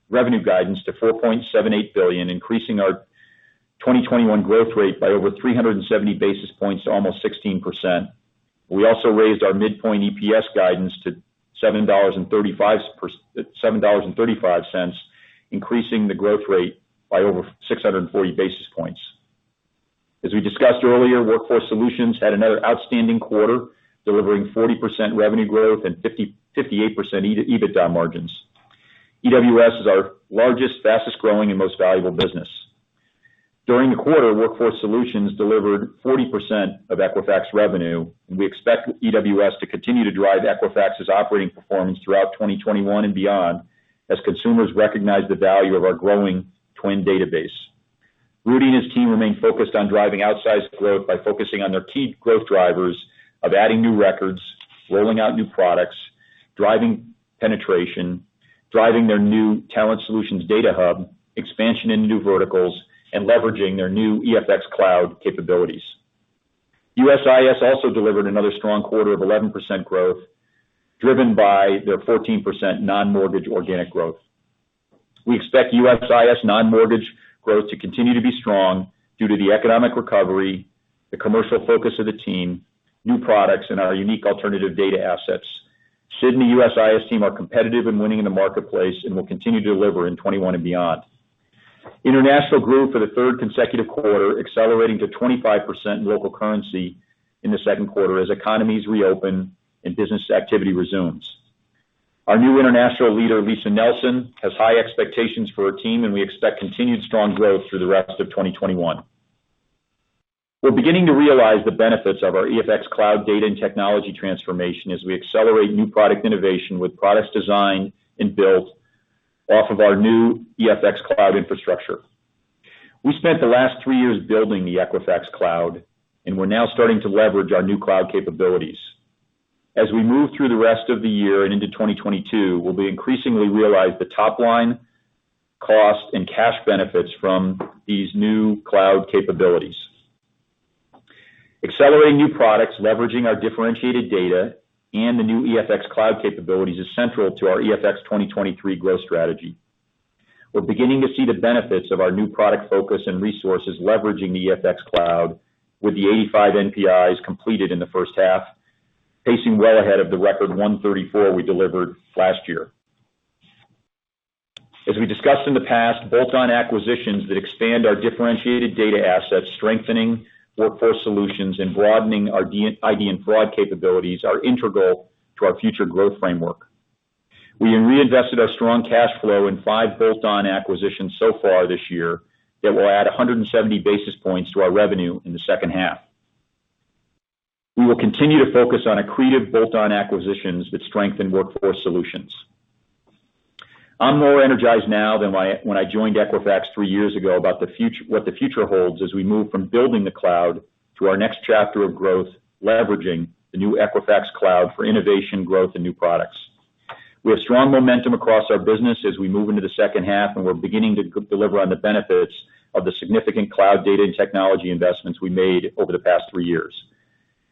Speaker 3: revenue guidance to $4.78 billion, increasing our 2021 growth rate by over 370 basis points to almost 16%. We also raised our midpoint EPS guidance to $7.35, increasing the growth rate by over 640 basis points. As we discussed earlier, Workforce Solutions had another outstanding quarter, delivering 40% revenue growth and 58% EBITDA margins. EWS is our largest, fastest-growing, and most valuable business. During the quarter, Workforce Solutions delivered 40% of Equifax revenue, and we expect EWS to continue to drive Equifax's operating performance throughout 2021 and beyond as consumers recognize the value of our growing TWN database. Rudy and his team remain focused on driving outsized growth by focusing on their key growth drivers of adding new records, rolling out new products, driving penetration, driving their new Talent Solutions data hub, expansion into new verticals, and leveraging their new EFX Cloud capabilities. USIS also delivered another strong quarter of 11% growth, driven by their 14% non-mortgage organic growth. We expect USIS non-mortgage growth to continue to be strong due to the economic recovery, the commercial focus of the team, new products, and our unique alternative data assets. Sid and the USIS team are competitive and winning in the marketplace and will continue to deliver in 2021 and beyond. International grew for the third consecutive quarter, accelerating to 25% in local currency in the second quarter as economies reopen and business activity resumes. Our new international leader, Lisa Nelson, has high expectations for her team, and we expect continued strong growth through the rest of 2021. We're beginning to realize the benefits of our EFX Cloud data and technology transformation as we accelerate new product innovation with products designed and built off of our new EFX Cloud infrastructure. We spent the last three years building the Equifax Cloud, and we're now starting to leverage our new cloud capabilities. As we move through the rest of the year and into 2022, we'll be increasingly realize the top line cost and cash benefits from these new cloud capabilities. Accelerating new products, leveraging our differentiated data, and the new EFX Cloud capabilities is central to our EFX2023 growth strategy. We're beginning to see the benefits of our new product focus and resources leveraging the EFX Cloud with the 85 NPIs completed in the first half, pacing well ahead of the record 134 we delivered last year. As we discussed in the past, bolt-on acquisitions that expand our differentiated data assets, strengthening Workforce Solutions, and broadening our ID and fraud capabilities are integral to our future growth framework. We have reinvested our strong cash flow in five bolt-on acquisitions so far this year that will add 170 basis points to our revenue in the second half. We will continue to focus on accretive bolt-on acquisitions that strengthen Workforce Solutions. I'm more energized now than when I joined Equifax three years ago about what the future holds as we move from building the cloud to our next chapter of growth, leveraging the new Equifax Cloud for innovation, growth, and new products. We have strong momentum across our business as we move into the second half, and we're beginning to deliver on the benefits of the significant cloud data and technology investments we made over the past three years.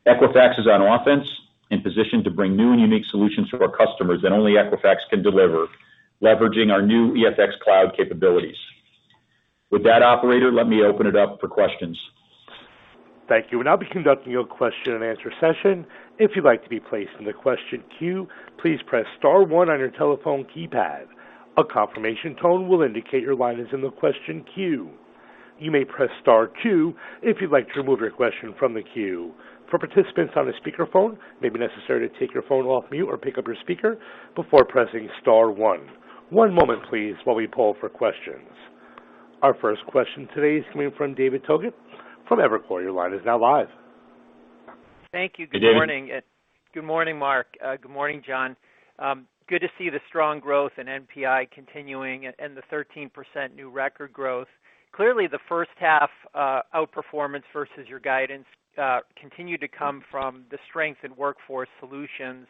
Speaker 3: Equifax is on offense in position to bring new and unique solutions to our customers that only Equifax can deliver, leveraging our new EFX Cloud capabilities. With that, operator, let me open it up for questions.
Speaker 1: Thank you. We'll now be conducting your question and answer session. If you'd like to be placed in the question queue, please press star one on your telephone keypad. A confirmation tone will indicate your line is in the question queue. You may press star two if you'd like to remove your question from the queue. For participants on a speakerphone, it may be necessary to take your phone off mute or pick up your speaker before pressing star one. One moment please while we poll for questions. Our first question today is coming from David Togut from Evercore. Your line is now live.
Speaker 5: Thank you.
Speaker 3: David.
Speaker 5: Good morning. Good morning, Mark. Good morning, John. Good to see the strong growth in NPI continuing and the 13% new record growth. Clearly, the first half outperformance versus your guidance continued to come from the strength in Workforce Solutions.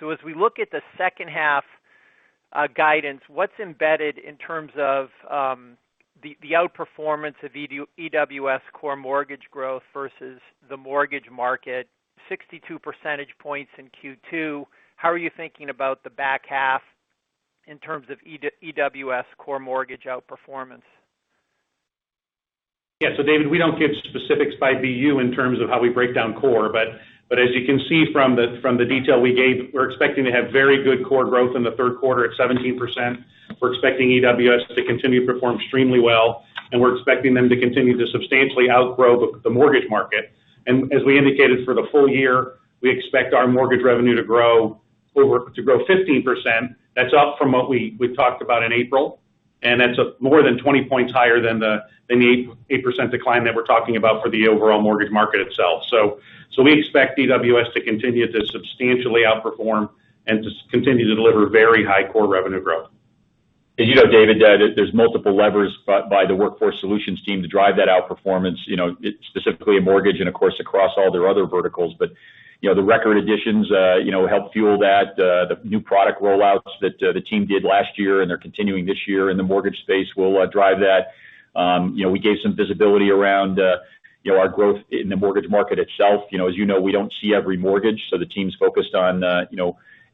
Speaker 5: As we look at the second half guidance, what's embedded in terms of the outperformance of EWS core mortgage growth versus the mortgage market, 62 percentage points in Q2. How are you thinking about the back half in terms of EWS core mortgage outperformance?
Speaker 3: Yeah. David, we don't give specifics by BU in terms of how we break down core. As you can see from the detail we gave, we're expecting to have very good core growth in the third quarter at 17%. We're expecting EWS to continue to perform extremely well, and we're expecting them to continue to substantially outgrow the mortgage market. As we indicated for the full year, we expect our mortgage revenue to grow 15%. That's up from what we talked about in April, and that's more than 20 points higher than the 8% decline that we're talking about for the overall mortgage market itself. We expect EWS to continue to substantially outperform and to continue to deliver very high core revenue growth. As you know, David, there's multiple levers by the Workforce Solutions team to drive that outperformance, specifically in mortgage and of course, across all their other verticals. The record additions help fuel that. The new product rollouts that the team did last year and they're continuing this year in the mortgage space will drive that. We gave some visibility around our growth in the mortgage market itself. As you know, we don't see every mortgage, so the team's focused on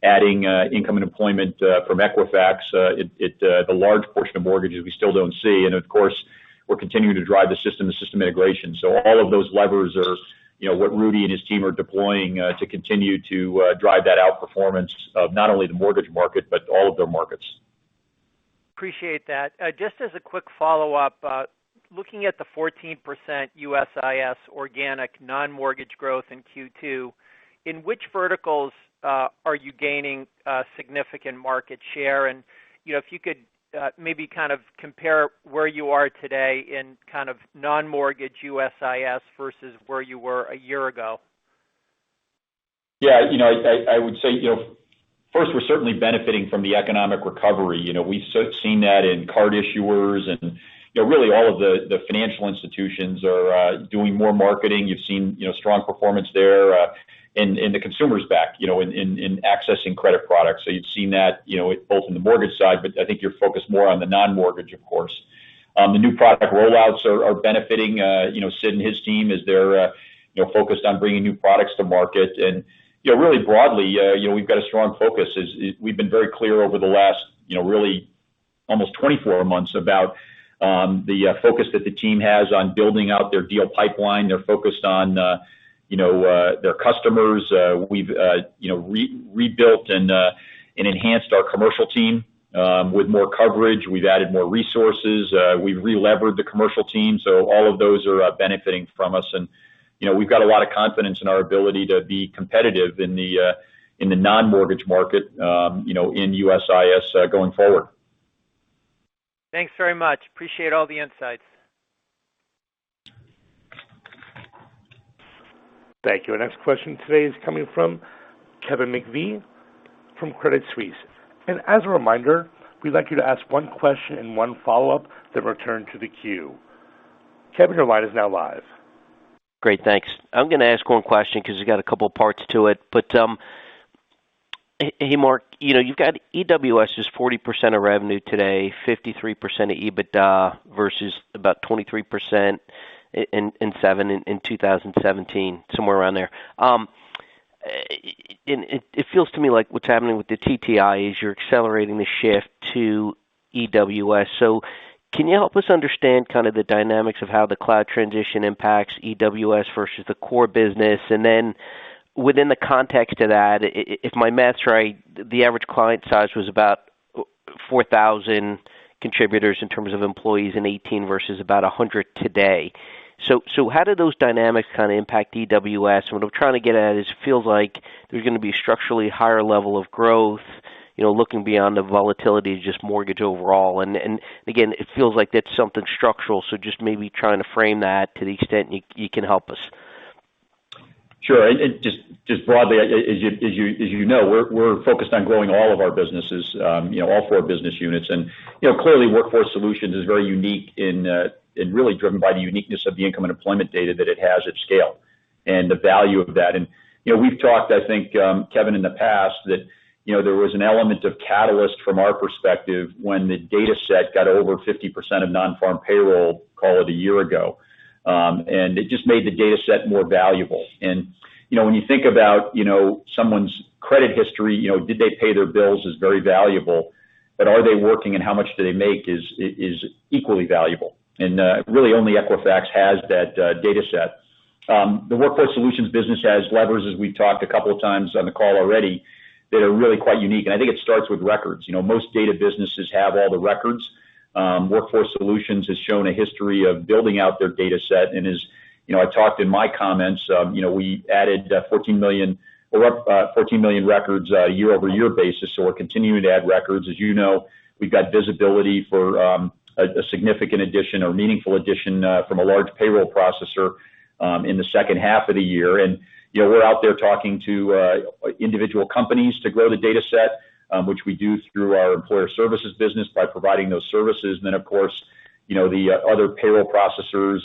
Speaker 3: adding income and employment from Equifax. The large portion of mortgages we still don't see. Of course, we're continuing to drive the system integration. All of those levers are what Rudy and his team are deploying to continue to drive that outperformance of not only the mortgage market, but all of their markets.
Speaker 5: Appreciate that. Just as a quick follow-up, looking at the 14% USIS organic non-mortgage growth in Q2, in which verticals are you gaining significant market share in? If you could maybe compare where you are today in non-mortgage USIS versus where you were a year ago.
Speaker 3: I would say first, we're certainly benefiting from the economic recovery. We've seen that in card issuers and really all of the financial institutions are doing more marketing. You've seen strong performance there and the consumer's back in accessing credit products. You've seen that both in the mortgage side, but I think you're focused more on the non-mortgage, of course. The new product rollouts are benefiting Sid and his team as they're focused on bringing new products to market. Really broadly, we've got a strong focus. We've been very clear over the last really almost 24 months about the focus that the team has on building out their deal pipeline. They're focused on their customers. We've rebuilt and enhanced our commercial team with more coverage. We've added more resources. We've relevered the commercial team. All of those are benefiting from us. We've got a lot of confidence in our ability to be competitive in the non-mortgage market in USIS going forward.
Speaker 5: Thanks very much. Appreciate all the insights.
Speaker 1: Thank you. Our next question today is coming from Kevin McVeigh from Credit Suisse. As a reminder, we'd like you to ask one question and one follow-up, then return to the queue. Kevin, your line is now live.
Speaker 6: Great. Thanks. I'm going to ask 1 question because it's got a couple parts to it. Hey, Mark, you've got EWS is 40% of revenue today, 53% of EBITDA versus about 23% in 2017, somewhere around there. It feels to me like what's happening with the TWN is you're accelerating the shift to EWS. Can you help us understand the dynamics of how the cloud transition impacts EWS versus the core business? Within the context of that, if my math's right, the average client size was about 4,000 contributors in terms of employees in 2018 versus about 100 today. How do those dynamics impact EWS? What I'm trying to get at is it feels like there's going to be a structurally higher level of growth, looking beyond the volatility of just mortgage overall. Again, it feels like that's something structural. Just maybe trying to frame that to the extent you can help us.
Speaker 3: Sure. Just broadly, as you know, we're focused on growing all of our businesses, all four business units. Clearly Workforce Solutions is very unique and really driven by the uniqueness of the income and employment data that it has at scale and the value of that. We've talked, I think, Kevin, in the past that there was an element of catalyst from our perspective when the data set got over 50% of non-farm payroll, call it one year ago. It just made the data set more valuable. When you think about someone's credit history, did they pay their bills is very valuable. Are they working and how much do they make is equally valuable. Really only Equifax has that data set. The Workforce Solutions business has levers, as we've talked a couple of times on the call already, that are really quite unique, and I think it starts with records. Most data businesses have all the records. Workforce Solutions has shown a history of building out their data set and is, I talked in my comments, we added 14 million records year-over-year basis. We're continuing to add records. As you know, we've got visibility for a significant addition or meaningful addition from a large payroll processor in the second half of the year. We're out there talking to individual companies to grow the data set, which we do through our employer services business by providing those services. Of course, the other payroll processors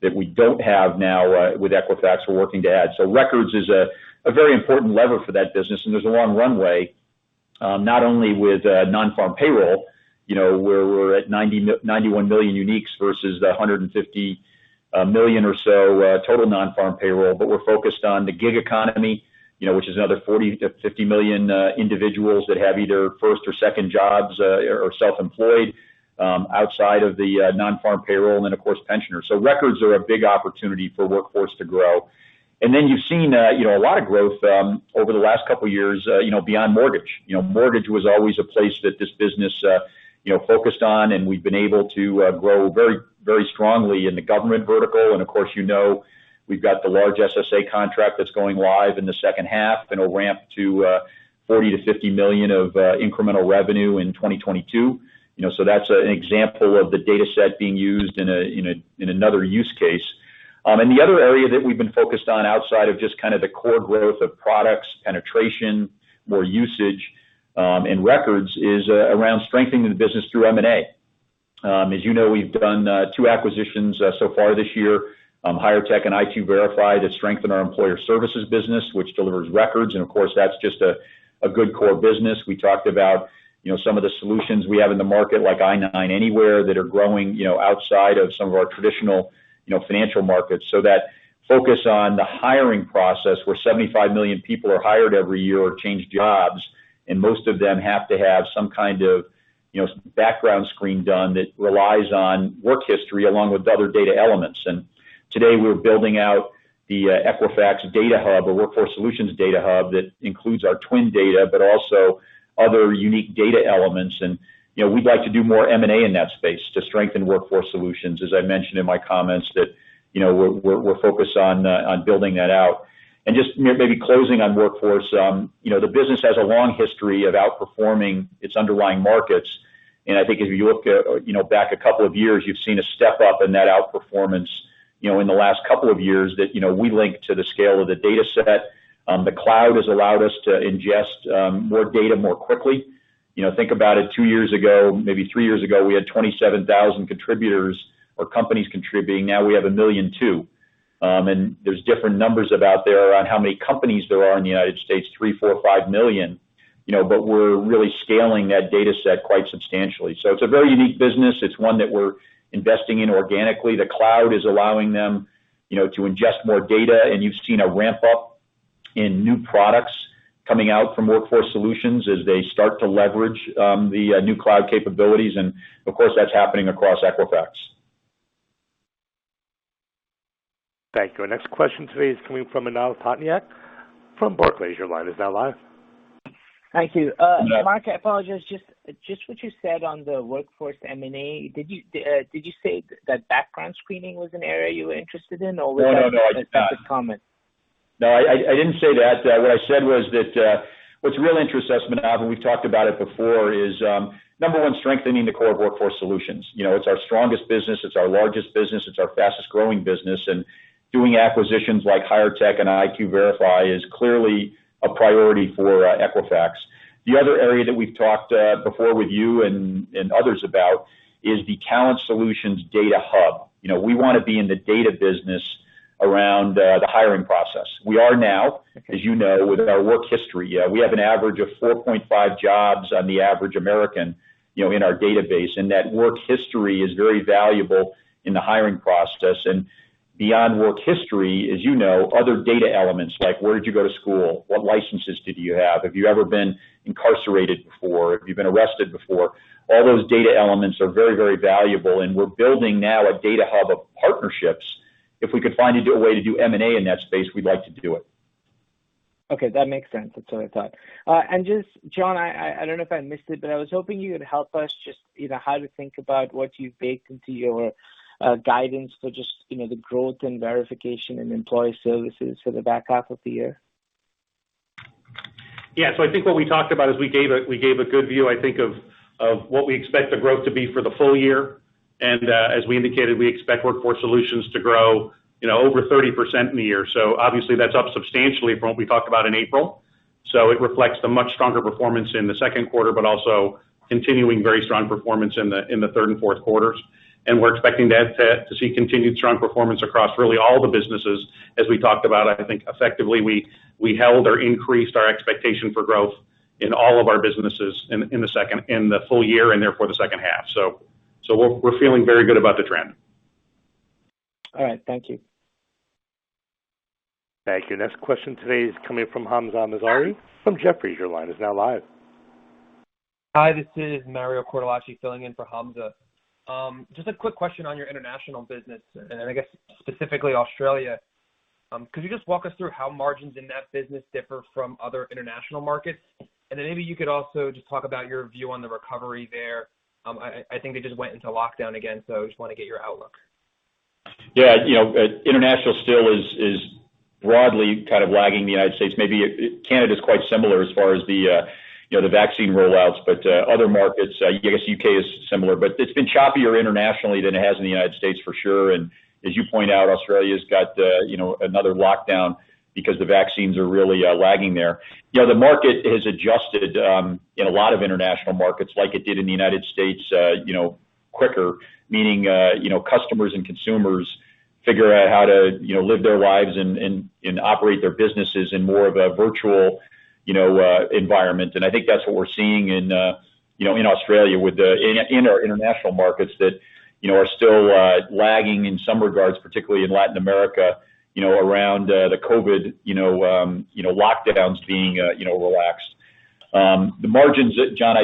Speaker 3: that we don't have now with Equifax, we're working to add. Records is a very important lever for that business, and there's a long runway, not only with non-farm payroll, where we're at 91 million uniques versus the 150 million or so total non-farm payroll. We're focused on the gig economy, which is another 40 million-50 million individuals that have either first or second jobs or self-employed outside of the non-farm payroll, and then of course, pensioners. Records are a big opportunity for Workforce to grow. You've seen a lot of growth over the last couple of years beyond mortgage. Mortgage was always a place that this business focused on, and we've been able to grow very strongly in the government vertical, and of course you know we've got the large SSA contract that's going live in the second half and will ramp to $40 million-$50 million of incremental revenue in 2022. That's an example of the data set being used in another use case. The other area that we've been focused on outside of just kind of the core growth of products penetration, more usage and records is around strengthening the business through M&A. As you know, we've done two acquisitions so far this year, HIREtech and i2Verify, that strengthen our employer services business, which delivers records, and of course that's just a good core business. We talked about some of the solutions we have in the market, like I-9 Anywhere, that are growing outside of some of our traditional financial markets. That focus on the hiring process where 75 million people are hired every year or change jobs, and most of them have to have some kind of background screen done that relies on work history along with other data elements. Today we're building out the Equifax Data Hub or Workforce Solutions Data Hub that includes our TWN data, but also other unique data elements. We'd like to do more M&A in that space to strengthen Workforce Solutions. As I mentioned in my comments that we're focused on building that out. Just maybe closing on Workforce, the business has a long history of outperforming its underlying markets, and I think if you look back a couple of years, you've seen a step-up in that outperformance in the last couple of years that we link to the scale of the data set. The cloud has allowed us to ingest more data more quickly. Think about it, two years ago, maybe three years ago, we had 27,000 contributors or companies contributing, now we have a million and two. There's different numbers about there around how many companies there are in the U.S., three, four, five million, but we're really scaling that data set quite substantially. It's a very unique business. It's one that we're investing in organically. The cloud is allowing them to ingest more data, and you've seen a ramp-up in new products coming out from Workforce Solutions as they start to leverage the new cloud capabilities, and of course that's happening across Equifax.
Speaker 1: Thank you. Our next question today is coming from Manav Patnaik from Barclays. Your line is now live.
Speaker 7: Thank you.
Speaker 3: Yeah.
Speaker 7: Mark, I apologize, just what you said on the Workforce M&A, did you say that background screening was an area you were interested in or was that-?
Speaker 3: No, I didn't.
Speaker 7: A different comment?
Speaker 3: No, I didn't say that. What I said was that what's really interests us, Manav, and we've talked about it before, is number one, strengthening the core of Workforce Solutions. It's our strongest business, it's our largest business, it's our fastest-growing business, and doing acquisitions like HIREtech and i2Verify is clearly a priority for Equifax. The other area that we've talked before with you and others about is the Talent Solutions Data Hub. We want to be in the data business around the hiring process. We are now, as you know, with our work history. We have an average of 4.5 jobs on the average American in our database, and that work history is very valuable in the hiring process. Beyond work history, as you know, other data elements like where did you go to school, what licenses did you have you ever been incarcerated before, have you been arrested before? All those data elements are very, very valuable, and we're building now a data hub of partnerships. If we could find a way to do M&A in that space, we'd like to do it.
Speaker 7: Okay, that makes sense. That's what I thought. Just, John, I don't know if I missed it, but I was hoping you could help us just how to think about what you've baked into your guidance for just the growth and verification in employee services for the back half of the year.
Speaker 4: Yeah. I think what we talked about is we gave a good view, I think, of what we expect the growth to be for the full year, as we indicated, we expect Workforce Solutions to grow over 30% in the year. Obviously that's up substantially from what we talked about in April. It reflects the much stronger performance in the second quarter, but also continuing very strong performance in the third and fourth quarters. We're expecting to see continued strong performance across really all the businesses. As we talked about, I think effectively we held or increased our expectation for growth in all of our businesses in the full year and therefore the second half. We're feeling very good about the trend.
Speaker 7: All right. Thank you.
Speaker 1: Thank you. Next question today is coming from Hamza Mazari from Jefferies. Your line is now live.
Speaker 8: Hi, this is Mario Cortellacci filling in for Hamza. Just a quick question on your international business, and I guess specifically Australia. Could you just walk us through how margins in that business differ from other international markets? Maybe you could also just talk about your view on the recovery there. I think they just went into lockdown again, so I just want to get your outlook.
Speaker 3: Yeah. International still is broadly kind of lagging the United States. Maybe Canada is quite similar as far as the vaccine rollouts, but other markets, I guess U.K. is similar, but it's been choppier internationally than it has in the United States for sure, and as you point out, Australia's got another lockdown because the vaccines are really lagging there. The market has adjusted in a lot of international markets like it did in the United States quicker, meaning customers and consumers figure out how to live their lives and operate their businesses in more of a virtual environment. I think that's what we're seeing in Australia. In our international markets that are still lagging in some regards, particularly in Latin America, around the COVID lockdowns being relaxed. The margins, John,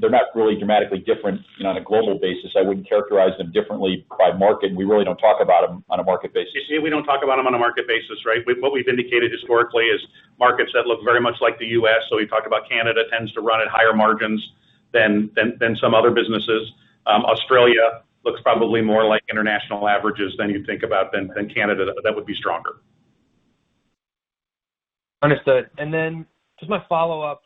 Speaker 3: they're not really dramatically different on a global basis. I wouldn't characterize them differently by market, and we really don't talk about them on a market basis.
Speaker 4: You see we don't talk about them on a market basis, right? What we've indicated historically is markets that look very much like the U.S., we talk about Canada tends to run at higher margins than some other businesses. Australia looks probably more like international averages than you'd think about than Canada. That would be stronger.
Speaker 8: Understood. Just my follow-up,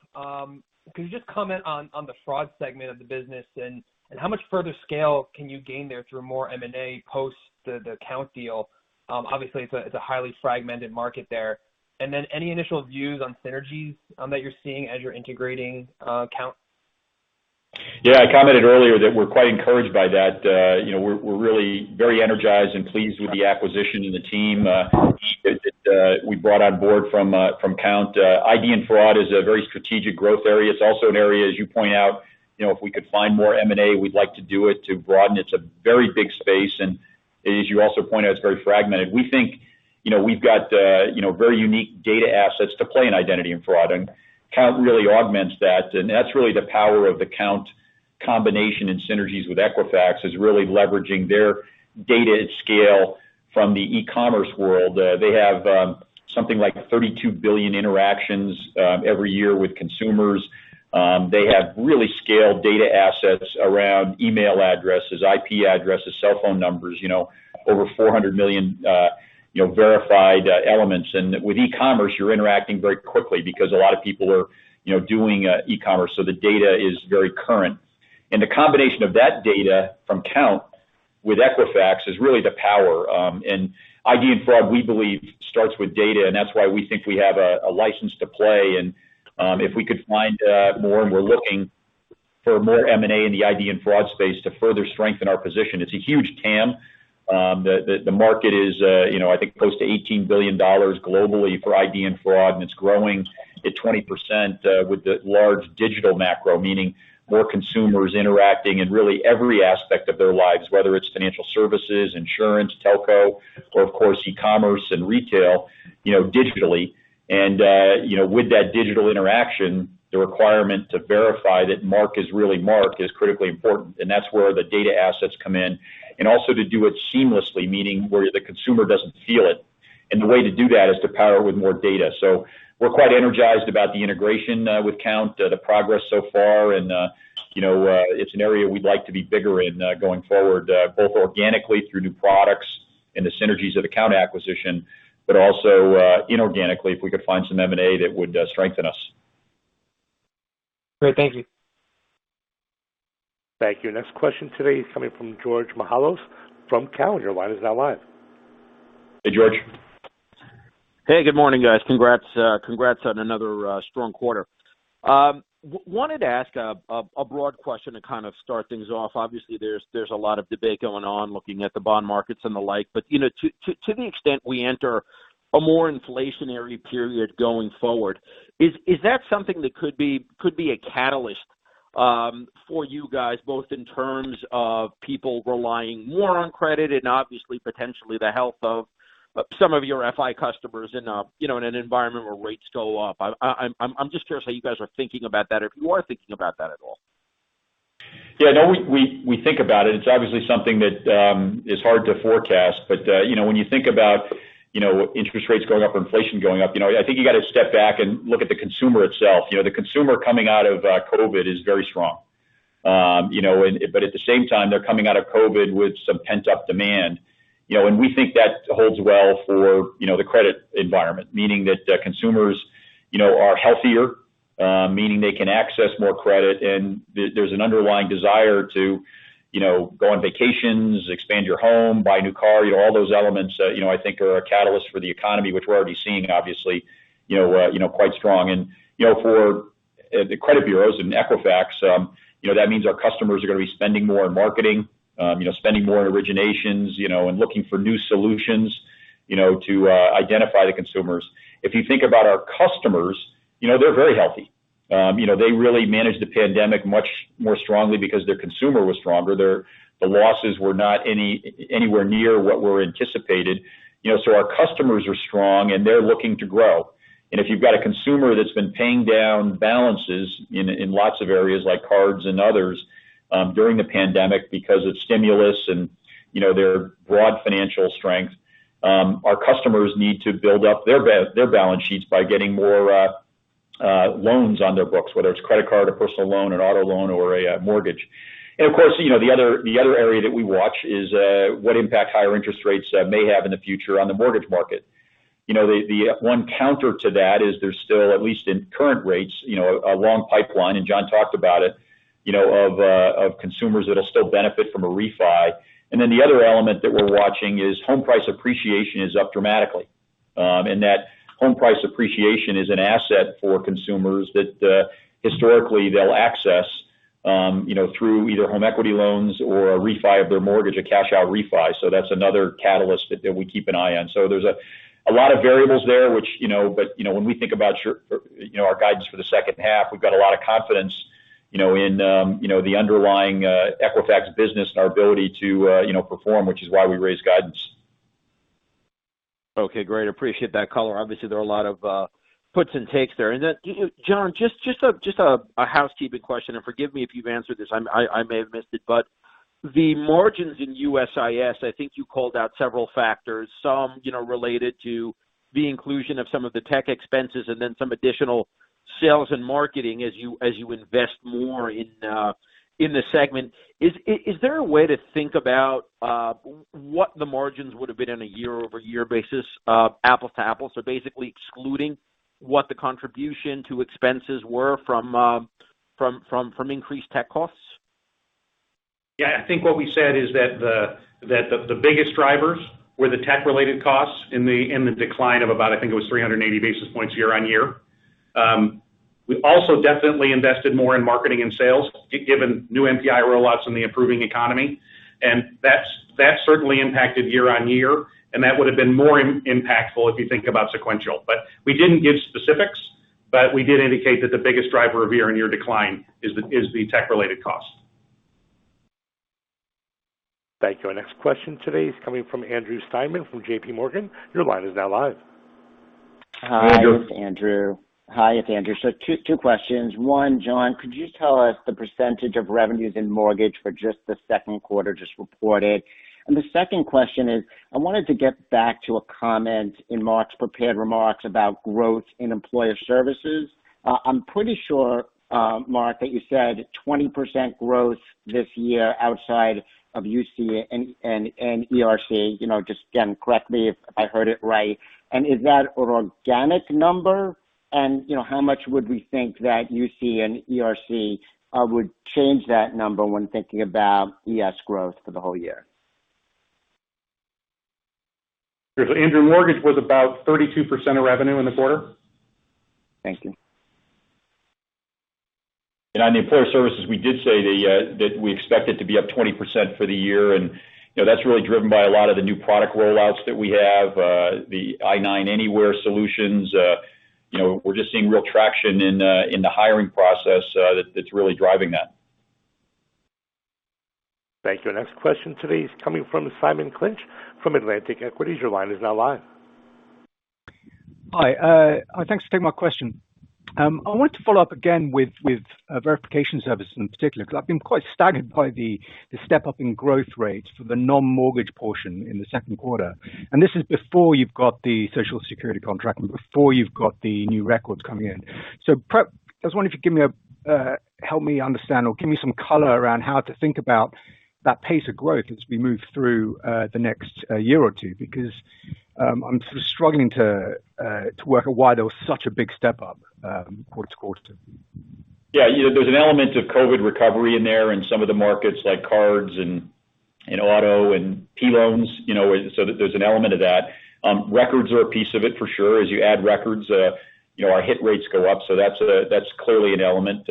Speaker 8: could you just comment on the fraud segment of the business, and how much further scale can you gain there through more M&A post the Kount deal? Obviously, it's a highly fragmented market there. Any initial views on synergies that you're seeing as you're integrating Kount?
Speaker 3: Yeah, I commented earlier that we're quite encouraged by that. We're really very energized and pleased with the acquisition and the team that we brought on board from Kount. ID and fraud is a very strategic growth area. It's also an area, as you point out, if we could find more M&A, we'd like to do it to broaden. As you also pointed out, it's very fragmented. We think we've got very unique data assets to play in identity and fraud. Kount really augments that. That's really the power of the Kount combination and synergies with Equifax is really leveraging their data at scale from the e-commerce world. They have something like 32 billion interactions every year with consumers. They have really scaled data assets around email addresses, IP addresses, cell phone numbers, over 400 million verified elements. With e-commerce, you're interacting very quickly because a lot of people are doing e-commerce, so the data is very current. The combination of that data from Kount with Equifax is really the power. ID and fraud, we believe, starts with data, and that's why we think we have a license to play. If we could find more, and we're looking for more M&A in the ID and fraud space to further strengthen our position. It's a huge TAM. The market is I think close to $18 billion globally for ID and fraud, and it's growing at 20% with the large digital macro, meaning more consumers interacting in really every aspect of their lives, whether it's financial services, insurance, telco, or of course, e-commerce and retail digitally. With that digital interaction, the requirement to verify that Mark is really Mark is critically important, and that's where the data assets come in. Also to do it seamlessly, meaning where the consumer doesn't feel it. The way to do that is to power with more data. We're quite energized about the integration with Kount, the progress so far, and it's an area we'd like to be bigger in going forward both organically through new products and the synergies of the Kount acquisition, but also inorganically, if we could find some M&A that would strengthen us.
Speaker 8: Great. Thank you.
Speaker 1: Thank you. Next question today is coming from George Mihalos from Cowen.
Speaker 3: Hey, George.
Speaker 9: Hey, good morning, guys. Congrats on another strong quarter. Wanted to ask a broad question to kind of start things off. Obviously, there's a lot of debate going on looking at the bond markets and the like. To the extent we enter a more inflationary period going forward, is that something that could be a catalyst for you guys, both in terms of people relying more on credit and obviously potentially the health of some of your FI customers in an environment where rates go up? I'm just curious how you guys are thinking about that, if you are thinking about that at all.
Speaker 3: Yeah, no, we think about it. It's obviously something that is hard to forecast. When you think about interest rates going up or inflation going up, I think you got to step back and look at the consumer itself. The consumer coming out of COVID is very strong. At the same time, they're coming out of COVID with some pent-up demand. We think that holds well for the credit environment, meaning that consumers are healthier, meaning they can access more credit, and there's an underlying desire to go on vacations, expand your home, buy a new car. All those elements I think are a catalyst for the economy, which we're already seeing, obviously quite strong. For the credit bureaus and Equifax, that means our customers are going to be spending more in marketing, spending more in originations, and looking for new solutions to identify the consumers. If you think about our customers, they're very healthy. They really managed the pandemic much more strongly because their consumer was stronger. The losses were not anywhere near what were anticipated. Our customers are strong, and they're looking to grow. If you've got a consumer that's been paying down balances in lots of areas like cards and others during the pandemic because of stimulus and their broad financial strength, our customers need to build up their balance sheets by getting more loans on their books, whether it's credit card or personal loan or auto loan or a mortgage. Of course, the other area that we watch is what impact higher interest rates may have in the future on the mortgage market. The one counter to that is there's still, at least in current rates, a long pipeline, and John talked about it, of consumers that will still benefit from a refi. The other element that we're watching is home price appreciation is up dramatically. That home price appreciation is an asset for consumers that historically they'll access through either home equity loans or a refi of their mortgage, a cash-out refi. That's another catalyst that we keep an eye on. There's a lot of variables there. When we think about our guidance for the second half, we've got a lot of confidence in the underlying Equifax business and our ability to perform, which is why we raised guidance.
Speaker 9: Okay, great. Appreciate that color. Obviously, there are a lot of puts and takes there. John, just a housekeeping question, and forgive me if you've answered this, I may have missed it, but the margins in USIS, I think you called out several factors. Some related to the inclusion of some of the tech expenses and then some additional sales and marketing as you invest more in the segment. Is there a way to think about what the margins would have been on a year-over-year basis, apple to apple? Basically excluding what the contribution to expenses were from increased tech costs.
Speaker 4: Yeah. I think what we said is that the biggest drivers were the tech-related costs in the decline of about, I think it was 380 basis points year-on-year. We also definitely invested more in marketing and sales, given new NPI rollouts and the improving economy. That certainly impacted year-on-year, and that would've been more impactful if you think about sequential. We didn't give specifics, but we did indicate that the biggest driver of year-on-year decline is the tech-related cost.
Speaker 1: Thank you. Our next question today is coming from Andrew Steinerman from JPMorgan. Your line is now live. Andrew.
Speaker 10: Hi, it's Andrew. Two questions. One, John, could you tell us the percentage of revenues in mortgage for just the second quarter just reported? The second question is, I wanted to get back to a comment in Mark's prepared remarks about growth in employer services. I'm pretty sure, Mark, that you said 20% growth this year outside of UC and ERC. Just again, correct me if I heard it right. Is that an organic number? How much would we think that UC and ERC would change that number when thinking about ES growth for the whole year?
Speaker 4: Andrew, mortgage was about 32% of revenue in the quarter.
Speaker 10: Thank you.
Speaker 3: On the employer services, we did say that we expect it to be up 20% for the year. That's really driven by a lot of the new product rollouts that we have, the I-9 Anywhere solutions. We're just seeing real traction in the hiring process that's really driving that.
Speaker 1: Thank you. Our next question today is coming from Simon Clinch from Atlantic Equities. Your line is now live.
Speaker 11: Hi. Thanks for taking my question. I wanted to follow up again with verification services in particular, because I've been quite staggered by the step-up in growth rates for the non-mortgage portion in the second quarter. This is before you've got the Social Security contract and before you've got the new records coming in. I was wondering if you could help me understand or give me some color around how to think about that pace of growth as we move through the next year or two. I'm sort of struggling to work out why there was such a big step-up quarter to quarter.
Speaker 3: There's an element of COVID-19 recovery in there in some of the markets like cards and auto and P-loans. There's an element of that. Records are a piece of it for sure. As you add records our hit rates go up. That's clearly an element.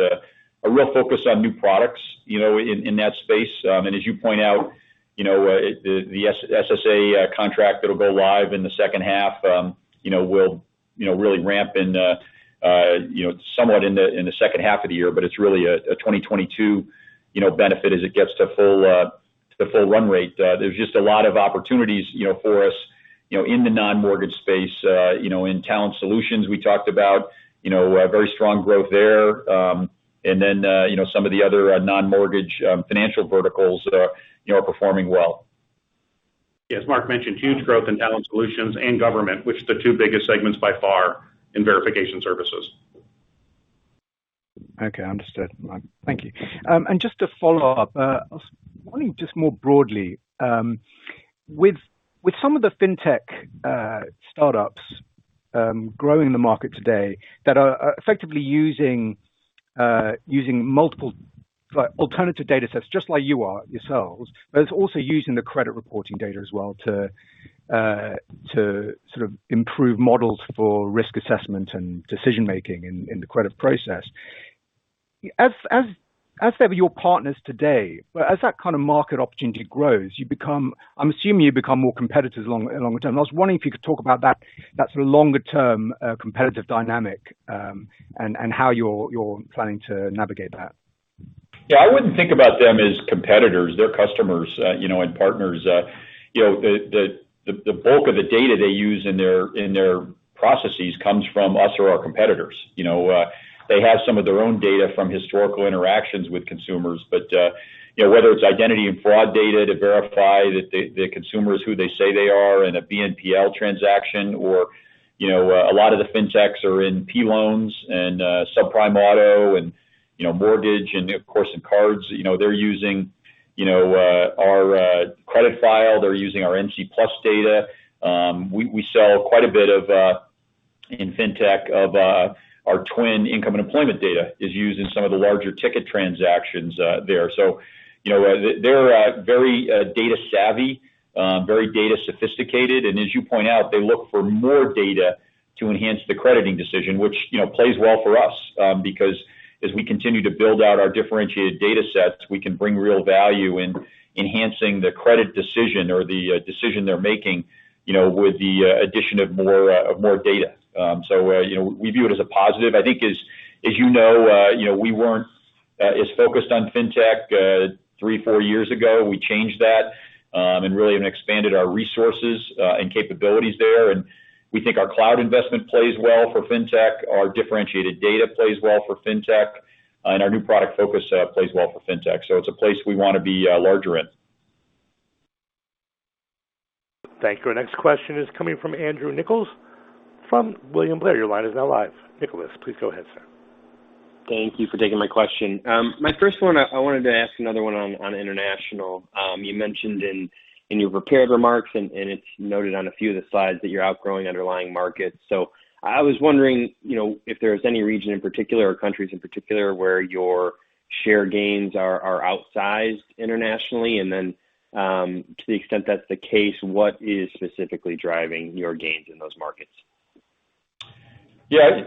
Speaker 3: A real focus on new products in that space. As you point out, the SSA contract that'll go live in the second half will really ramp somewhat in the second half of the year, but it's really a 2022 benefit as it gets to the full run rate. There's just a lot of opportunities for us in the non-mortgage space. In Talent Solutions, we talked about very strong growth there. Some of the other non-mortgage financial verticals are performing well.
Speaker 4: Yeah. As Mark mentioned, huge growth in Talent Solutions and government, which are the two biggest segments by far in verification services.
Speaker 11: Okay. Understood. Thank you. Just to follow up, I was wondering just more broadly, with some of the fintech startups growing in the market today that are effectively using multiple alternative data sets just like you are yourselves, but it's also using the credit reporting data as well to sort of improve models for risk assessment and decision-making in the credit process. As they're your partners today, as that kind of market opportunity grows, I'm assuming you become more competitive longer term. I was wondering if you could talk about that sort of longer-term competitive dynamic and how you're planning to navigate that.
Speaker 3: I wouldn't think about them as competitors. They're customers and partners. The bulk of the data they use in their processes comes from us or our competitors. They have some of their own data from historical interactions with consumers. Whether it's identity and fraud data to verify that the consumer is who they say they are in a BNPL transaction, or a lot of the fintechs are in P loans and subprime auto and mortgage and, of course, in cards. They're using our credit file. They're using our NCTUE Plus data. We sell quite a bit in fintech of our TWN income and employment data is used in some of the larger ticket transactions there. They're very data savvy, very data sophisticated. As you point out, they look for more data to enhance the crediting decision, which plays well for us because as we continue to build out our differentiated data sets, we can bring real value in enhancing the credit decision or the decision they're making with the addition of more data. We view it as a positive. I think as you know, we weren't as focused on fintech three, four years ago. We changed that and really expanded our resources and capabilities there. We think our cloud investment plays well for fintech. Our differentiated data plays well for fintech, and our new product focus plays well for fintech. It's a place we want to be larger in.
Speaker 1: Thank you. Our next question is coming from Andrew Nicholas from William Blair. Your line is now live. Nicholas, please go ahead, sir.
Speaker 12: Thank you for taking my question. My first one, I wanted to ask another one on international. You mentioned in your prepared remarks, and it's noted on a few of the slides that you're outgrowing underlying markets. I was wondering if there is any region in particular or countries in particular where your share gains are outsized internationally. To the extent that's the case, what is specifically driving your gains in those markets?
Speaker 3: Yeah.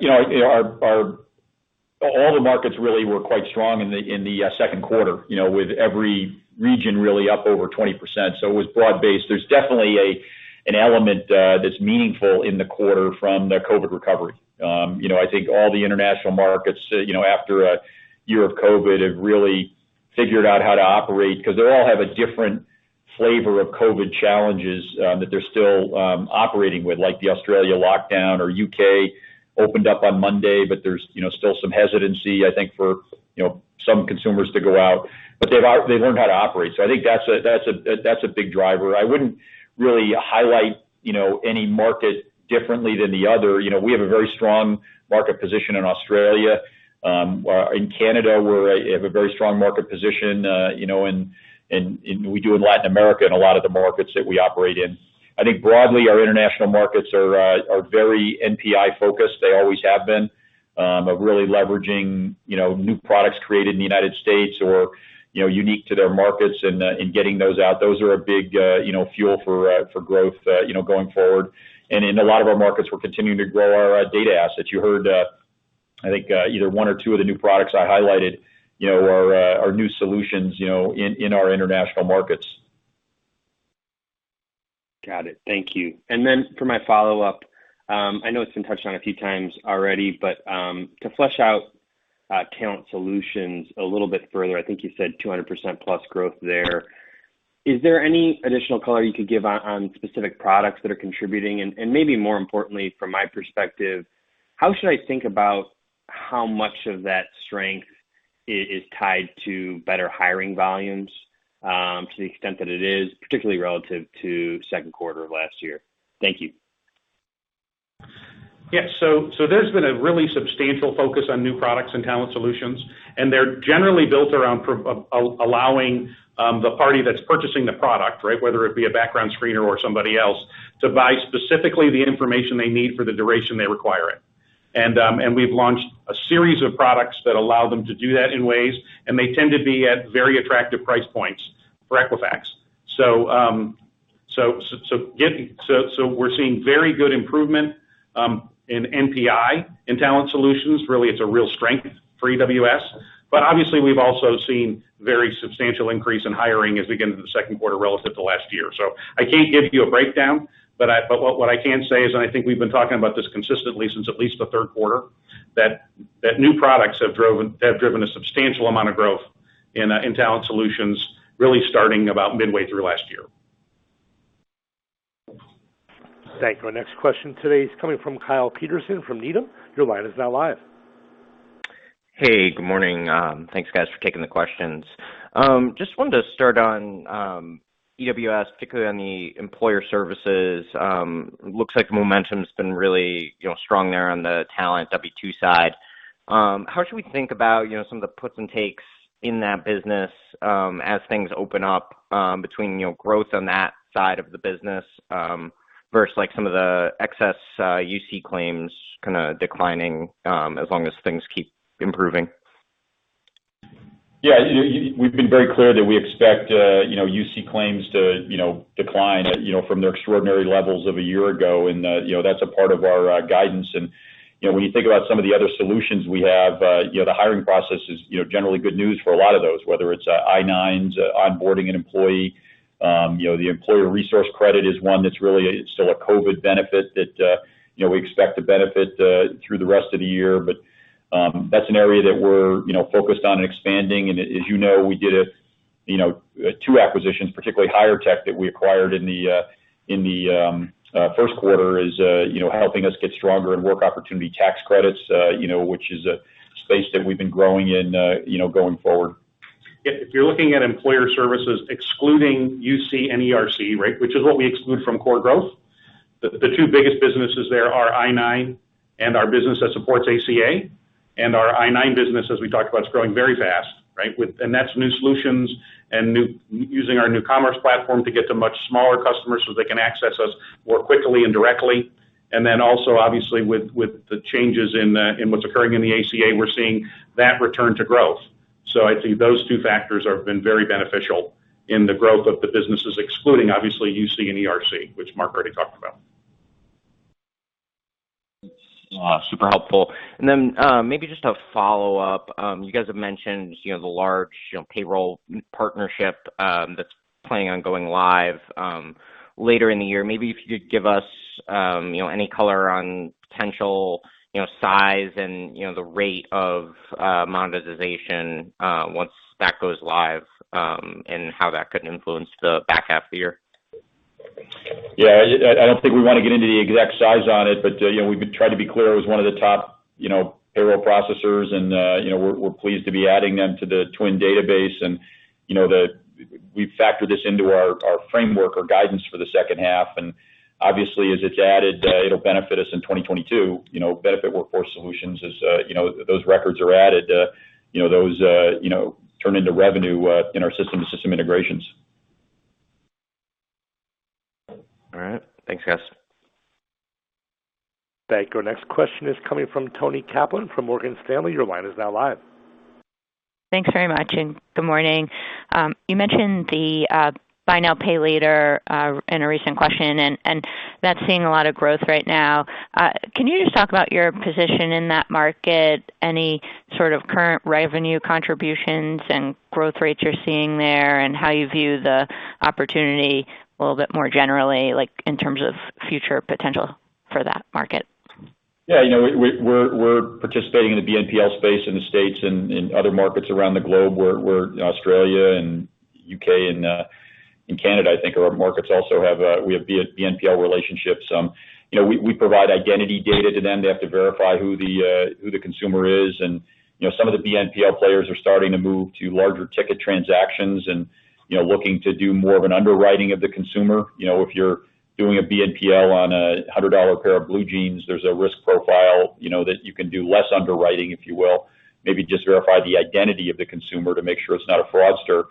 Speaker 3: All the markets really were quite strong in the second quarter with every region really up over 20%. It was broad-based. There's definitely an element that's meaningful in the quarter from the COVID-19 recovery. I think all the international markets after a year of COVID-19 have really figured out how to operate because they all have a different flavor of COVID-19 challenges that they're still operating with, like the Australia lockdown or U.K. opened up on Monday, there's still some hesitancy, I think, for some consumers to go out. They've learned how to operate. I think that's a big driver. I wouldn't really highlight any market differently than the other. We have a very strong market position in Australia. In Canada, we have a very strong market position, we do in Latin America and a lot of the markets that we operate in. I think broadly, our international markets are very NPI-focused. They always have been of really leveraging new products created in the United States or unique to their markets and getting those out. Those are a big fuel for growth going forward. In a lot of our markets, we're continuing to grow our data assets. You heard I think either one or two of the new products I highlighted are new solutions in our international markets.
Speaker 12: Got it. Thank you. For my follow-up, I know it's been touched on a few times already, but to flesh out Talent Solutions a little bit further, I think you said 200%+ growth there. Is there any additional color you could give on specific products that are contributing? Maybe more importantly, from my perspective, how should I think about how much of that strength is tied to better hiring volumes to the extent that it is, particularly relative to second quarter of last year? Thank you.
Speaker 4: Yeah. There's been a really substantial focus on new products in Talent Solutions, and they're generally built around allowing the party that's purchasing the product, whether it be a background screener or somebody else, to buy specifically the information they need for the duration they require it. We've launched a series of products that allow them to do that in ways, and they tend to be at very attractive price points for Equifax. We're seeing very good improvement in NPI in Talent Solutions. Really, it's a real strength for EWS. Obviously, we've also seen very substantial increase in hiring as we get into the second quarter relative to last year. I can't give you a breakdown, but what I can say is, and I think we've been talking about this consistently since at least the third quarter, that new products have driven a substantial amount of growth in Talent Solutions really starting about midway through last year.
Speaker 1: Thank you. Our next question today is coming from Kyle Peterson from Needham. Your line is now live.
Speaker 13: Hey, good morning. Thanks, guys, for taking the questions. Just wanted to start on EWS, particularly on the employer services. Looks like momentum's been really strong there on the talent W2 side. How should we think about some of the puts and takes in that business as things open up between growth on that side of the business versus some of the excess UC claims kind of declining as long as things keep improving?
Speaker 3: Yeah. We've been very clear that we expect UC claims to decline from their extraordinary levels of a year ago. That's a part of our guidance. When you think about some of the other solutions we have, the hiring process is generally good news for a lot of those, whether it's I-9s, onboarding an employee. The employee resource credit is one that's really still a COVID benefit that we expect to benefit through the rest of the year. That's an area that we're focused on and expanding. As you know, we did two acquisitions, particularly HIREtech, that we acquired in the first quarter, is helping us get stronger in work opportunity tax credits, which is a space that we've been growing in going forward.
Speaker 4: If you're looking at employer services excluding UC and ERC, right, which is what we exclude from core growth, the two biggest businesses there are I-9 and our business that supports ACA. Our I-9 business, as we talked about, is growing very fast, right? That's new solutions and using our new commerce platform to get to much smaller customers so they can access us more quickly and directly. Also, obviously, with the changes in what's occurring in the ACA, we're seeing that return to growth. I'd say those two factors have been very beneficial in the growth of the businesses, excluding, obviously, UC and ERC, which Mark already talked about.
Speaker 13: Super helpful. Maybe just a follow-up. You guys have mentioned the large payroll partnership that's planning on going live later in the year. Maybe if you could give us any color on potential size and the rate of monetization once that goes live, and how that could influence the back half of the year.
Speaker 3: Yeah, I don't think we want to get into the exact size on it, but we've tried to be clear it was one of the top payroll processors, and we're pleased to be adding them to the TWN database. We've factored this into our framework or guidance for the second half, and obviously, as it's added, it'll benefit us in 2022, benefit Workforce Solutions as those records are added, those turn into revenue in our system and system integrations.
Speaker 13: All right. Thanks, guys.
Speaker 1: Thank you. Our next question is coming from Toni Kaplan from Morgan Stanley. Your line is now live.
Speaker 14: Thanks very much, and good morning. You mentioned the buy now, pay later in a recent question, that's seeing a lot of growth right now. Can you just talk about your position in that market, any sort of current revenue contributions and growth rates you're seeing there, and how you view the opportunity a little bit more generally, like in terms of future potential for that market?
Speaker 3: Yeah. We're participating in the BNPL space in the U.S. and in other markets around the globe. We're in Australia and U.K. and Canada, I think, are our markets. We have BNPL relationships. We provide identity data to them. They have to verify who the consumer is. Some of the BNPL players are starting to move to larger ticket transactions and looking to do more of an underwriting of the consumer. If you're doing a BNPL on a $100 pair of blue jeans, there's a risk profile that you can do less underwriting, if you will. Maybe just verify the identity of the consumer to make sure it's not a fraudster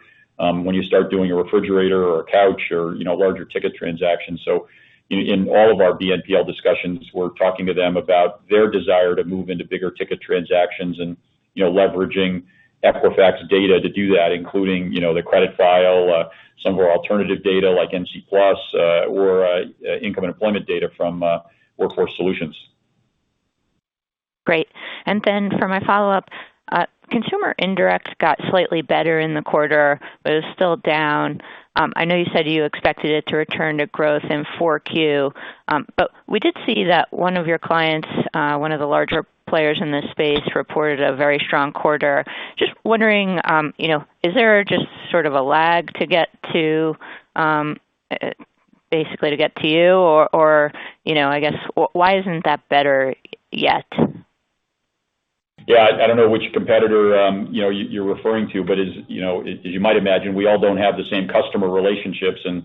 Speaker 3: when you start doing a refrigerator or a couch or larger ticket transactions. In all of our BNPL discussions, we're talking to them about their desire to move into bigger ticket transactions and leveraging Equifax data to do that, including the credit file, some of our alternative data like NCTUE Plus or income employment data from Workforce Solutions.
Speaker 14: Great. For my follow-up, consumer indirects got slightly better in the quarter, but it was still down. I know you said you expected it to return to growth in 4Q. We did see that one of your clients, one of the larger players in this space, reported a very strong quarter. Just wondering, is there just sort of a lag basically to get to you? Or I guess, why isn't that better yet?
Speaker 3: Yeah. I don't know which competitor you're referring to, but as you might imagine, we all don't have the same customer relationships, and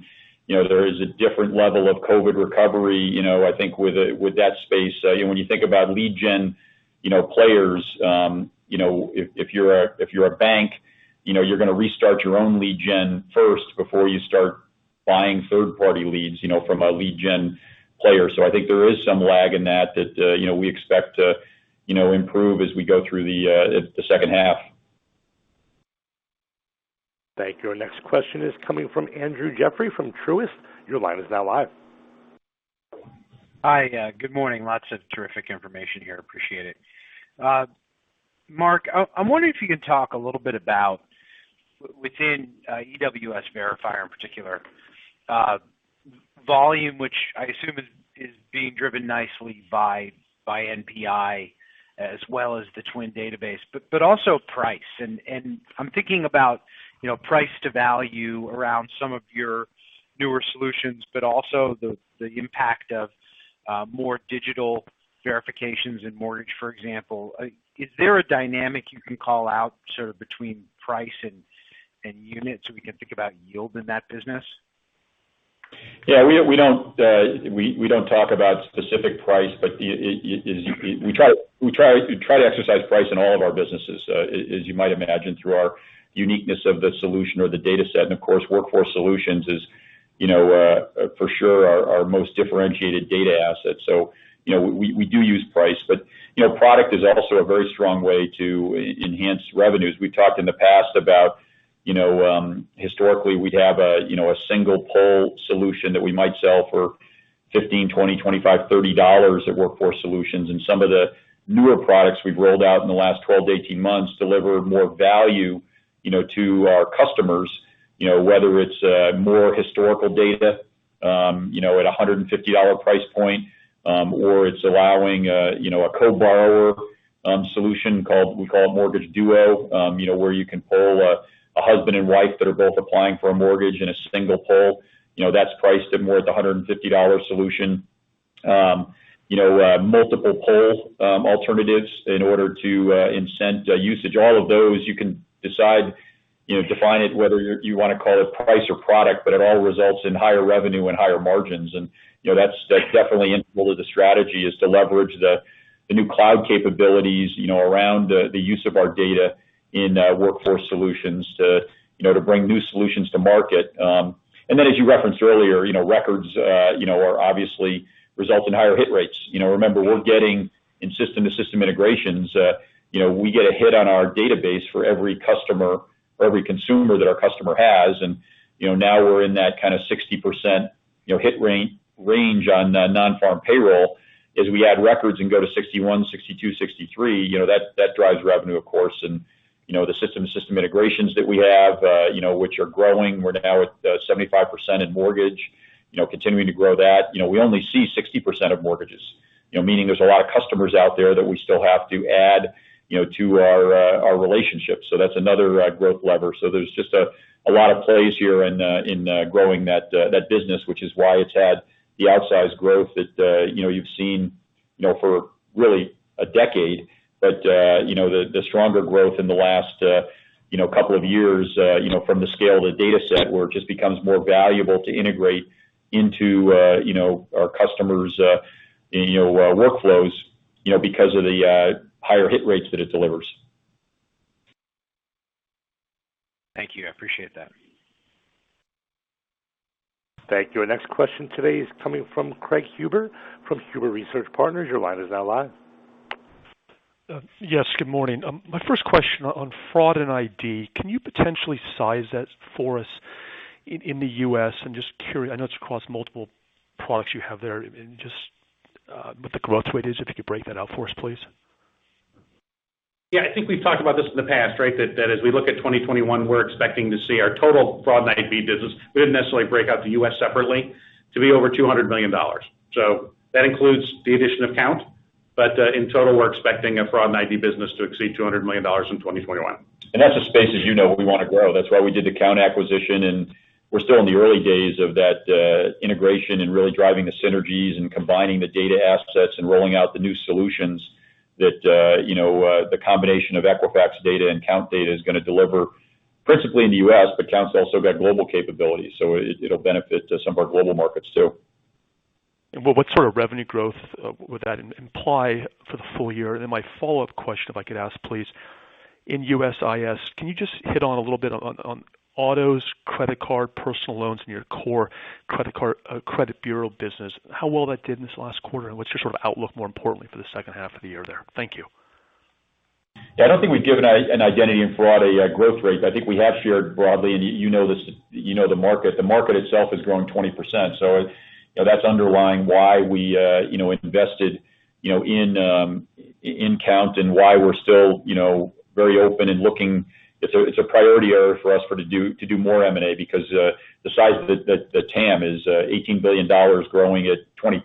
Speaker 3: there is a different level of COVID recovery, I think, with that space. When you think about lead gen players, if you're a bank, you're going to restart your own lead gen first before you start buying third-party leads from a lead gen player. I think there is some lag in that that we expect to improve as we go through the second half.
Speaker 1: Thank you. Our next question is coming from Andrew Jeffrey from Truist.
Speaker 15: Hi. Good morning. Lots of terrific information here. Appreciate it. Mark, I'm wondering if you can talk a little bit about within EWS Verifier in particular, volume, which I assume is being driven nicely by NPI as well as the TWN database, but also price. I'm thinking about price to value around some of your newer solutions, but also the impact of more digital verifications in mortgage, for example. Is there a dynamic you can call out sort of between price and units so we can think about yield in that business?
Speaker 3: We don't talk about specific price, but we try to exercise price in all of our businesses, as you might imagine, through our uniqueness of the solution or the data set. Of course, Workforce Solutions is for sure, our most differentiated data asset. We do use price, but product is also a very strong way to enhance revenues. We've talked in the past about historically, we'd have a single-pull solution that we might sell for $15, $20, $25, $30 at Workforce Solutions. Some of the newer products we've rolled out in the last 12-18 months deliver more value to our customers, whether it's more historical data at a $150 price point, or it's allowing a co-borrower solution we call Mortgage Duo, where you can pull a husband and wife that are both applying for a mortgage in a single pull. That's priced at more at the $150 solution. Multiple pull alternatives in order to incent usage. All of those you can decide, define it whether you want to call it price or product. It all results in higher revenue and higher margins. That's definitely integral to the strategy, is to leverage the new cloud capabilities around the use of our data in Workforce Solutions to bring new solutions to market. As you referenced earlier, records obviously result in higher hit rates. Remember, we're getting in system-to-system integrations, we get a hit on our database for every consumer that our customer has, and now we're in that kind of 60% hit range on non-farm payroll. As we add records and go to 61, 62, 63, that drives revenue, of course. The system-to-system integrations that we have, which are growing, we're now at 75% in mortgage, continuing to grow that. We only see 60% of mortgages, meaning there's a lot of customers out there that we still have to add to our relationships. That's another growth lever. There's just a lot of plays here in growing that business, which is why it's had the outsized growth that you've seen for really a decade. The stronger growth in the last couple of years from the scale of the data set, where it just becomes more valuable to integrate into our customers' workflows because of the higher hit rates that it delivers.
Speaker 15: Thank you. I appreciate that.
Speaker 1: Thank you. Our next question today is coming from Craig Huber from Huber Research Partners. Your line is now live.
Speaker 16: Yes, good morning. My first question on fraud and ID, can you potentially size that for us in the U.S.? I'm just curious. I know it's across multiple products you have there and just what the growth rate is, if you could break that out for us, please.
Speaker 4: Yeah, I think we've talked about this in the past, right? As we look at 2021, we're expecting to see our total fraud and ID business, we didn't necessarily break out the U.S. separately, to be over $200 million. That includes the addition of Kount, but in total, we're expecting a fraud and ID business to exceed $200 million in 2021.
Speaker 3: That's a space, as you know, we want to grow. That's why we did the Kount acquisition, and we're still in the early days of that integration and really driving the synergies and combining the data assets and rolling out the new solutions that the combination of Equifax data and Kount data is going to deliver, principally in the U.S., but Kount's also got global capabilities, so it'll benefit some of our global markets, too.
Speaker 16: What sort of revenue growth would that imply for the full year? My follow-up question, if I could ask, please. In USIS, can you just hit on a little bit on autos, credit card, personal loans in your core credit bureau business, how well that did in this last quarter, and what's your sort of outlook, more importantly, for the second half of the year there? Thank you.
Speaker 3: Yeah, I don't think we've given an identity and fraud growth rate. I think we have shared broadly, and you know the market. The market itself is growing 20%, that's underlying why we invested in Kount and why we're still very open and looking. It's a priority area for us to do more M&A because the size of the TAM is $18 billion growing at 20%.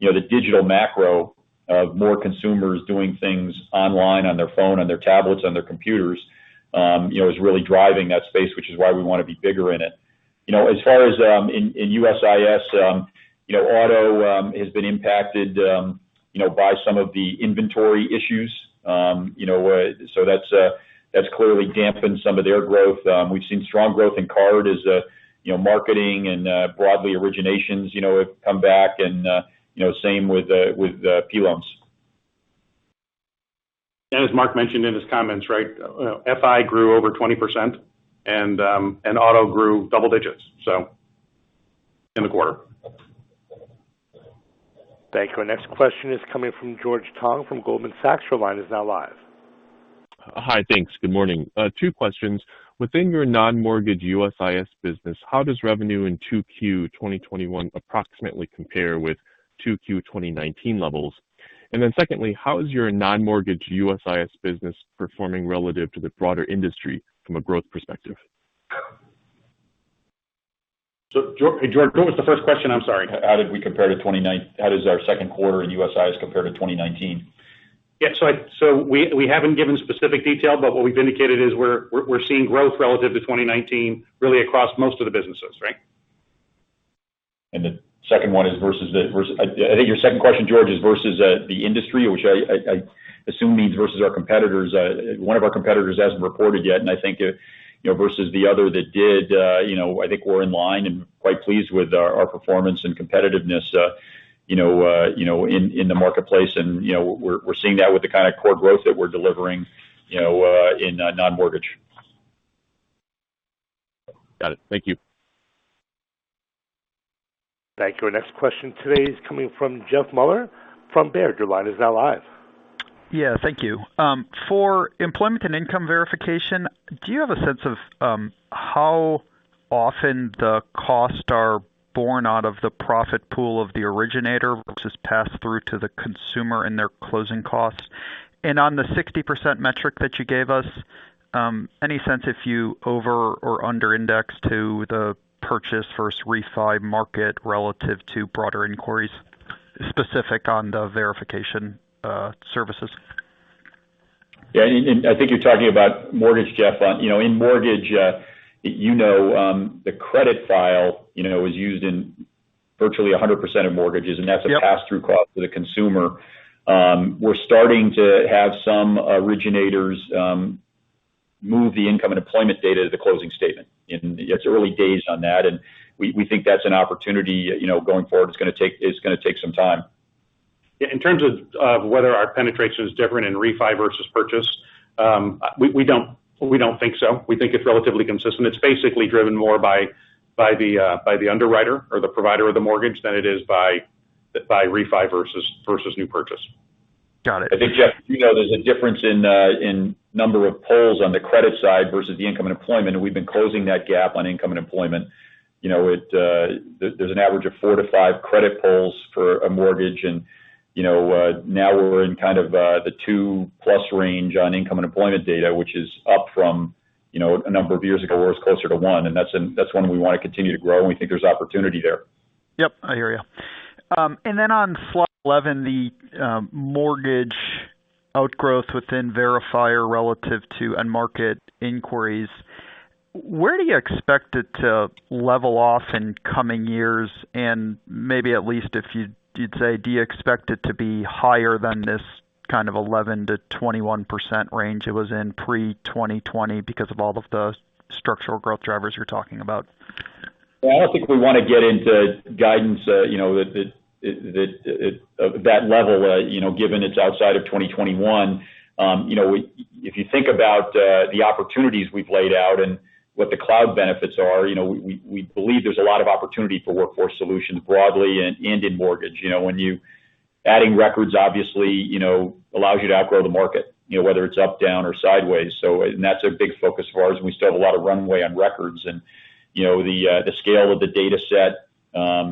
Speaker 3: The digital macro of more consumers doing things online, on their phone, on their tablets, on their computers is really driving that space, which is why we want to be bigger in it. As far as in USIS, auto has been impacted by some of the inventory issues. That's clearly dampened some of their growth. We've seen strong growth in card as marketing and broadly originations have come back and same with P loans.
Speaker 4: As Mark mentioned in his comments, FI grew over 20%, and auto grew double digits in the quarter.
Speaker 1: Thank you. Our next question is coming from George Tong from Goldman Sachs. Your line is now live.
Speaker 17: Hi. Thanks. Good morning. Two questions. Within your non-mortgage USIS business, how does revenue in 2Q 2021 approximately compare with 2Q 2019 levels? Secondly, how is your non-mortgage USIS business performing relative to the broader industry from a growth perspective?
Speaker 4: George, what was the first question? I'm sorry.
Speaker 17: How did we compare to 2019? How does our second quarter in USIS compare to 2019?
Speaker 4: Yeah, we haven't given specific detail, but what we've indicated is we're seeing growth relative to 2019, really across most of the businesses, right?
Speaker 3: I think your second question, George, is versus the industry, which I assume means versus our competitors. One of our competitors hasn't reported yet, and I think versus the other that did, I think we're in line and quite pleased with our performance and competitiveness in the marketplace, and we're seeing that with the kind of core growth that we're delivering in non-mortgage.
Speaker 17: Got it. Thank you.
Speaker 1: Thank you. Our next question today is coming from Jeff Meuler from Baird. Your line is now live.
Speaker 18: Thank you. For employment and income verification, do you have a sense of how often the costs are borne out of the profit pool of the originator versus passed through to the consumer and their closing costs? On the 60% metric that you gave us, any sense if you over or under index to the purchase versus refi market relative to broader inquiries specific on the verification services?
Speaker 3: Yeah. I think you're talking about mortgage, Jeff. In mortgage, you know the credit file is used in virtually 100% of mortgages.
Speaker 18: Yep
Speaker 3: That's a pass-through cost to the consumer. We're starting to have some originators move the income and employment data to the closing statement. It's early days on that. We think that's an opportunity going forward. It's going to take some time.
Speaker 4: In terms of whether our penetration is different in refi versus purchase, we don't think so. We think it's relatively consistent. It's basically driven more by the underwriter or the provider of the mortgage than it is by refi versus new purchase.
Speaker 18: Got it.
Speaker 3: I think, Jeff, you know there's a difference in number of pulls on the credit side versus the income and employment, and we've been closing that gap on income and employment. There's an average of four to five credit pulls for a mortgage, and now we're in kind of the two plus range on income and employment data, which is up from a number of years ago, where it was closer to one, and that's one we want to continue to grow, and we think there's opportunity there.
Speaker 18: Yep, I hear you. On slide 11, the mortgage outgrowth within verifier relative to end market inquiries, where do you expect it to level off in coming years? Maybe at least if you'd say, do you expect it to be higher than this kind of 11%-21% range it was in pre-2020 because of all of the structural growth drivers you're talking about?
Speaker 3: Well, I don't think we want to get into guidance at that level given it's outside of 2021. If you think about the opportunities we've laid out and what the cloud benefits are, we believe there's a lot of opportunity for Workforce Solutions broadly and in Mortgage. Adding records obviously allows you to outgrow the market, whether it's up, down, or sideways. That's a big focus for us, and we still have a lot of runway on records. The scale of the data set,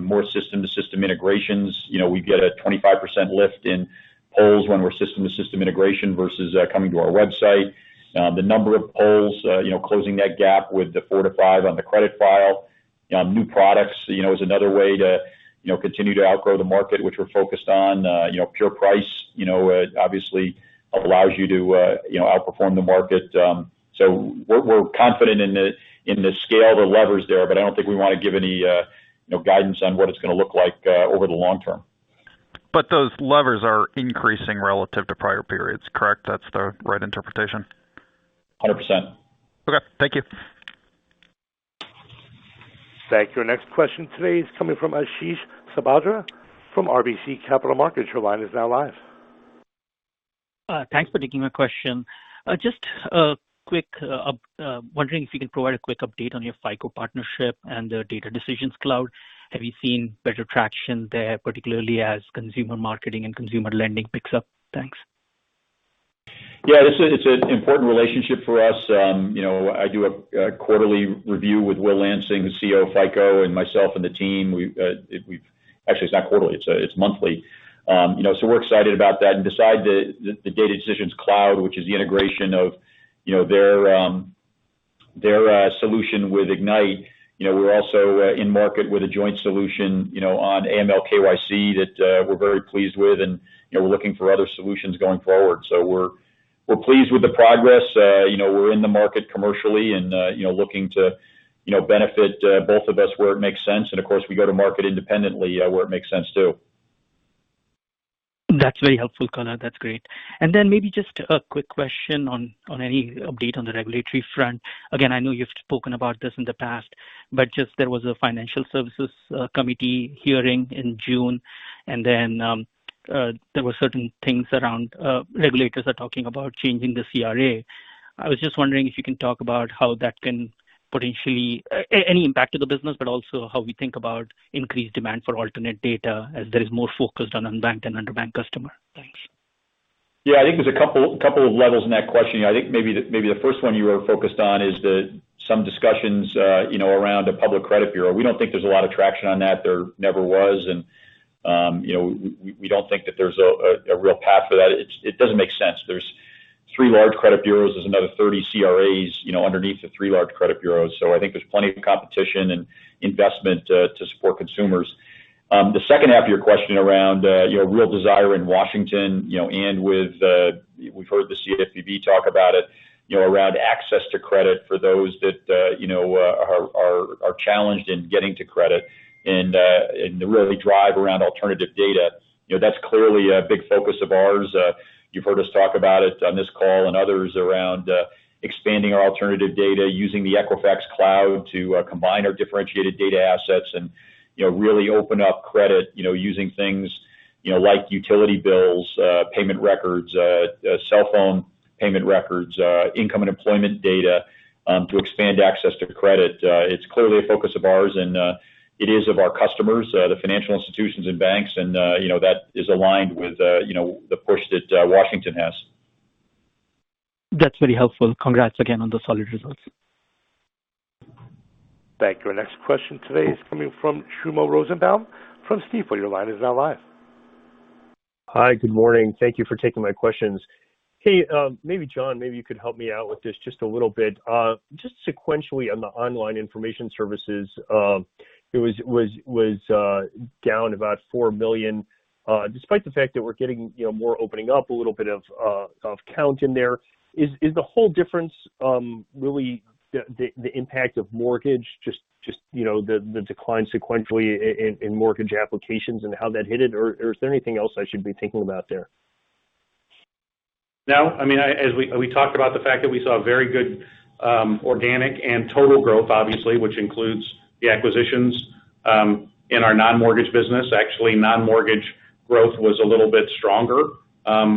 Speaker 3: more system-to-system integrations. We get a 25% lift in pulls when we're system-to-system integration versus coming to our website. The number of pulls closing that gap with the four to five on the credit file. New products is another way to continue to outgrow the market, which we're focused on. Pure price obviously allows you to outperform the market. We're confident in the scale, the levers there, but I don't think we want to give any guidance on what it's going to look like over the long term.
Speaker 18: Those levers are increasing relative to prior periods, correct? That's the right interpretation?
Speaker 3: 100%.
Speaker 18: Okay, thank you.
Speaker 1: Thank you. Our next question today is coming from Ashish Sabadra from RBC Capital Markets. Your line is now live.
Speaker 19: Thanks for taking my question. Just wondering if you can provide a quick update on your FICO partnership and the Data Decisions Cloud. Have you seen better traction there, particularly as consumer marketing and consumer lending picks up? Thanks.
Speaker 3: Yeah, it's an important relationship for us. I do a quarterly review with Will Lansing, the CEO of FICO, and myself and the team. Actually, it's not quarterly, it's monthly. We're excited about that. Beside the Data Decisions Cloud, which is the integration of their solution with Ignite, we're also in market with a joint solution on AML KYC that we're very pleased with, and we're looking for other solutions going forward. We're pleased with the progress. We're in the market commercially and looking to benefit both of us where it makes sense, and of course, we go to market independently where it makes sense, too.
Speaker 19: That's very helpful, color. That's great. Then maybe just a quick question on any update on the regulatory front. Again, I know you've spoken about this in the past, but just there was a financial services committee hearing in June, and then there were certain things around regulators are talking about changing the CRA. I was just wondering if you can talk about how that can potentially any impact to the business, but also how we think about increased demand for alternative data as there is more focus on unbanked and underbanked customer. Thanks.
Speaker 3: Yeah. I think there's two levels in that question. I think maybe the first one you were focused on is some discussions around a public credit bureau. We don't think there's a lot of traction on that. There never was. We don't think that there's a real path for that. It doesn't make sense. There's three large credit bureaus. There's another 30 CRAs underneath the three large credit bureaus. I think there's plenty of competition and investment to support consumers. The second half of your question around real desire in Washington and with -- we've heard the CFPB talk about it around access to credit for those that are challenged in getting to credit and really drive around alternative data. That's clearly a big focus of ours. You've heard us talk about it on this call and others around expanding our alternative data, using the Equifax Cloud to combine our differentiated data assets and really open up credit, using things like utility bills, payment records, cell phone payment records, income and employment data, to expand access to credit. It's clearly a focus of ours, and it is of our customers, the financial institutions and banks, and that is aligned with the push that Washington has.
Speaker 19: That's very helpful. Congrats again on the solid results.
Speaker 1: Thank you. Our next question today is coming from Shlomo Rosenbaum from Stifel. Your line is now live.
Speaker 20: Hi. Good morning. Thank you for taking my questions. John, maybe you could help me out with this just a little bit. Just sequentially on the Online Information Solutions, it was down about $4 million. Despite the fact that we're getting more opening up, a little bit of count in there. Is the whole difference really the impact of mortgage, just the decline sequentially in mortgage applications and how that hit it? Is there anything else I should be thinking about there?
Speaker 4: No. We talked about the fact that we saw very good organic and total growth, obviously, which includes the acquisitions in our non-mortgage business. Actually, non-mortgage growth was a little bit stronger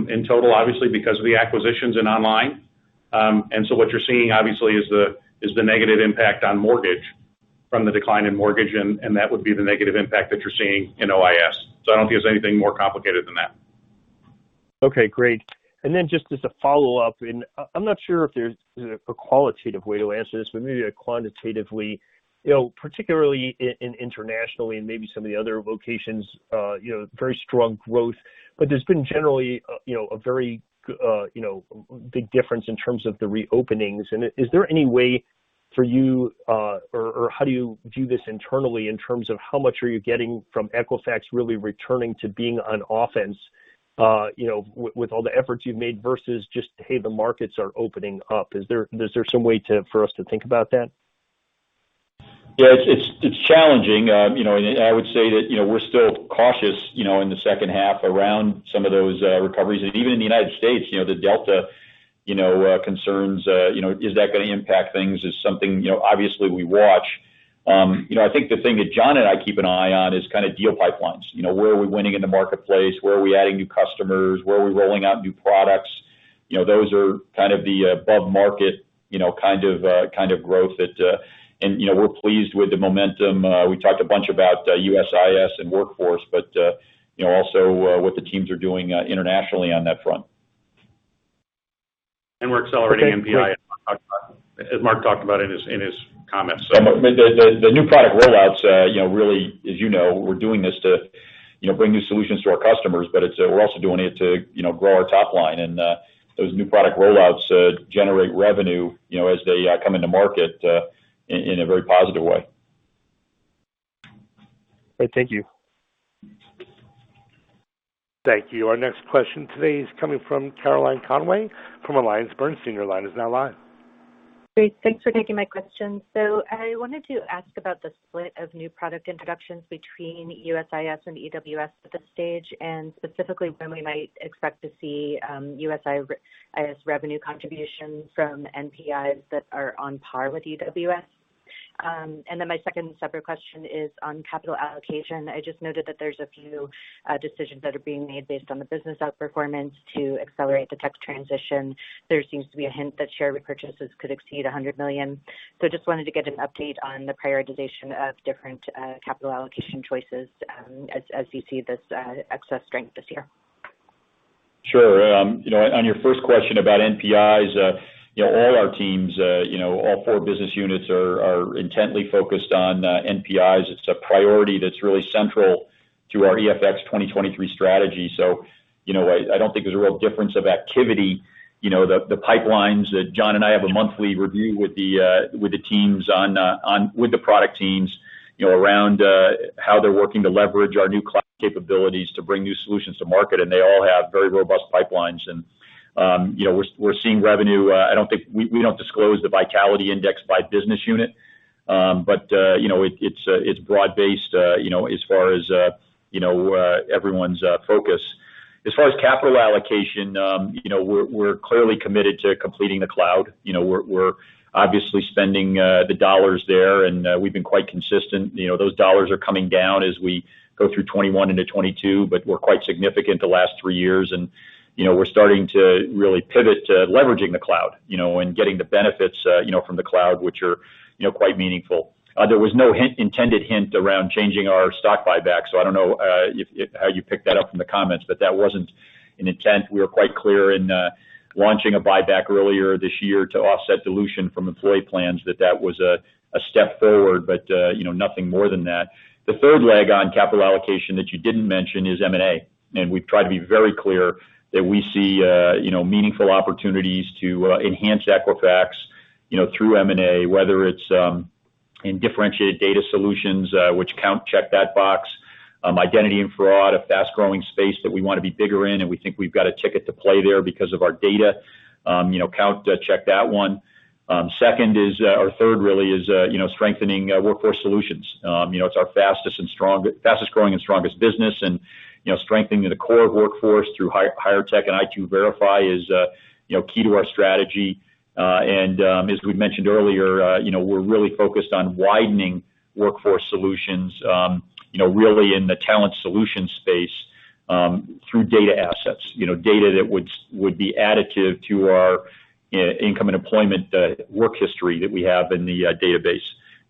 Speaker 4: in total, obviously, because of the acquisitions in online. What you're seeing, obviously, is the negative impact on mortgage from the decline in mortgage, and that would be the negative impact that you're seeing in OIS. I don't think there's anything more complicated than that.
Speaker 20: Okay, great. Just as a follow-up, I'm not sure if there's a qualitative way to answer this, but maybe a quantitatively, particularly in internationally and maybe some of the other locations, very strong growth. There's been generally a very big difference in terms of the reopenings. Is there any way for you, or how do you view this internally in terms of how much are you getting from Equifax really returning to being on offense with all the efforts you've made, versus just, hey, the markets are opening up? Is there some way for us to think about that?
Speaker 3: It's challenging. I would say that we're still cautious in the second half around some of those recoveries. Even in the U.S., the Delta concerns, is that going to impact things? Is something obviously we watch. I think the thing that John and I keep an eye on is deal pipelines. Where are we winning in the marketplace? Where are we adding new customers? Where are we rolling out new products? Those are the above market kind of growth. We're pleased with the momentum. We talked a bunch about USIS and Workforce, but also what the teams are doing internationally on that front.
Speaker 20: Okay, great.
Speaker 4: We're accelerating NPI, as Mark talked about in his comments.
Speaker 3: The new product rollouts really, as you know, we're doing this to bring new solutions to our customers, but we're also doing it to grow our top line. Those new product rollouts generate revenue as they come into market in a very positive way.
Speaker 20: Great. Thank you.
Speaker 1: Thank you. Our next question today is coming from Caroline Conway from AllianceBernstein. Your line is now live.
Speaker 21: Great. Thanks for taking my question. I wanted to ask about the split of new product introductions between USIS and EWS at this stage, and specifically when we might expect to see USIS revenue contribution from NPIs that are on par with EWS. My second separate question is on capital allocation. I just noted that there's a few decisions that are being made based on the business outperformance to accelerate the tech transition. There seems to be a hint that share repurchases could exceed $100 million. Just wanted to get an update on the prioritization of different capital allocation choices as you see this excess strength this year.
Speaker 3: Sure. On your first question about NPIs, all our teams all four business units are intently focused on NPIs. It's a priority that's really central to our EFX2023 strategy. I don't think there's a real difference of activity. The pipelines that John and I have a monthly review with the product teams around how they're working to leverage our new cloud capabilities to bring new solutions to market, they all have very robust pipelines. We're seeing revenue. We don't disclose the Vitality Index by business unit. It's broad-based as far as everyone's focus. As far as capital allocation, we're clearly committed to completing the cloud. We're obviously spending the dollars there, we've been quite consistent. Those dollars are coming down as we go through 2021 into 2022, but were quite significant the last three years, and we're starting to really pivot to leveraging the cloud, and getting the benefits from the cloud, which are quite meaningful. There was no intended hint around changing our stock buyback, so I don't know how you picked that up from the comments, but that wasn't an intent. We were quite clear in launching a buyback earlier this year to offset dilution from employee plans that was a step forward, but nothing more than that. The third leg on capital allocation that you didn't mention is M&A, and we've tried to be very clear that we see meaningful opportunities to enhance Equifax through M&A, whether it's in differentiated data solutions, which Kount, check that box. Identity and fraud, a fast-growing space that we want to be bigger in. We think we've got a ticket to play there because of our data. Kount, check that one. Third really is strengthening Workforce Solutions. It's our fastest growing and strongest business. Strengthening the core workforce through HIREtech and i2Verify is key to our strategy. As we mentioned earlier, we're really focused on widening Workforce Solutions, really in the Talent Solutions space, through data assets. Data that would be additive to our income and employment work history that we have in the database.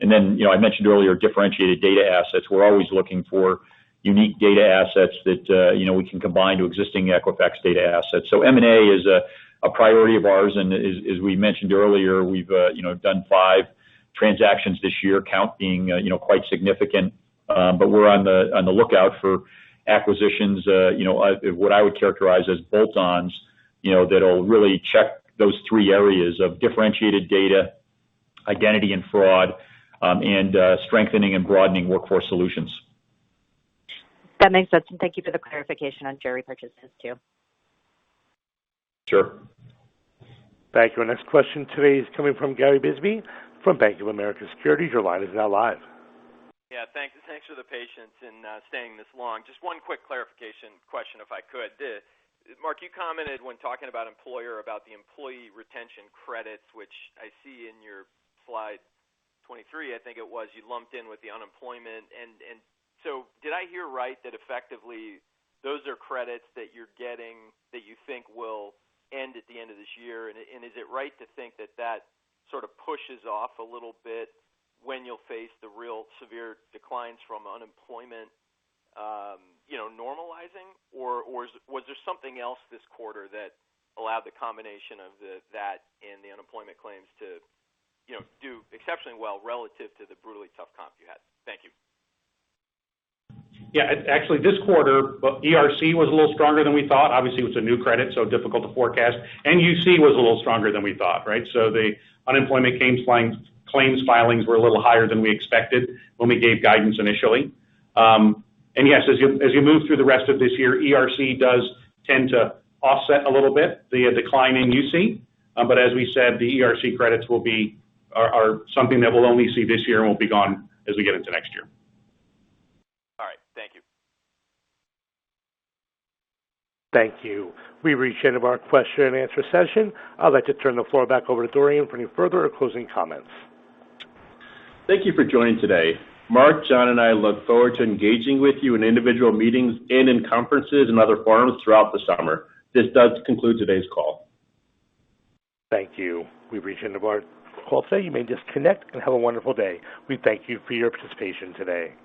Speaker 3: I mentioned earlier, differentiated data assets. We're always looking for unique data assets that we can combine to existing Equifax data assets. M&A is a priority of ours. As we mentioned earlier, we've done five transactions this year, Kount being quite significant. We're on the lookout for acquisitions, what I would characterize as bolt-ons, that'll really check those three areas of differentiated data, identity and fraud, and strengthening and broadening Workforce Solutions.
Speaker 21: That makes sense. Thank you for the clarification on Q3 purchases, too.
Speaker 3: Sure.
Speaker 1: Thank you. Our next question today is coming from Gary Bisbee from Bank of America Securities. Your line is now live.
Speaker 22: Yeah. Thanks for the patience in staying this long. Just one quick clarification question, if I could. Mark, you commented when talking about employer, about the Employee Retention Credits, which I see in your slide 23, I think it was. You lumped in with the unemployment. Did I hear right that effectively those are credits that you're getting that you think will end at the end of this year? Is it right to think that that sort of pushes off a little bit when you'll face the real severe declines from unemployment normalizing? Was there something else this quarter that allowed the combination of that and the unemployment claims to do exceptionally well relative to the brutally tough comp you had? Thank you.
Speaker 4: Yeah. Actually, this quarter, ERC was a little stronger than we thought. Obviously, it was a new credit, so difficult to forecast. UC was a little stronger than we thought, right? The unemployment claims filings were a little higher than we expected when we gave guidance initially. Yes, as you move through the rest of this year, ERC does tend to offset a little bit the decline in UC. As we said, the ERC credits are something that we'll only see this year and will be gone as we get into next year.
Speaker 22: All right. Thank you.
Speaker 1: Thank you. We've reached the end of our question and answer session. I'd like to turn the floor back over to Dorian for any further or closing comments.
Speaker 2: Thank you for joining today. Mark, John and I look forward to engaging with you in individual meetings and in conferences and other forums throughout the summer. This does conclude today's call.
Speaker 1: Thank you. We've reached the end of our call. You may disconnect and have a wonderful day. We thank you for your participation today.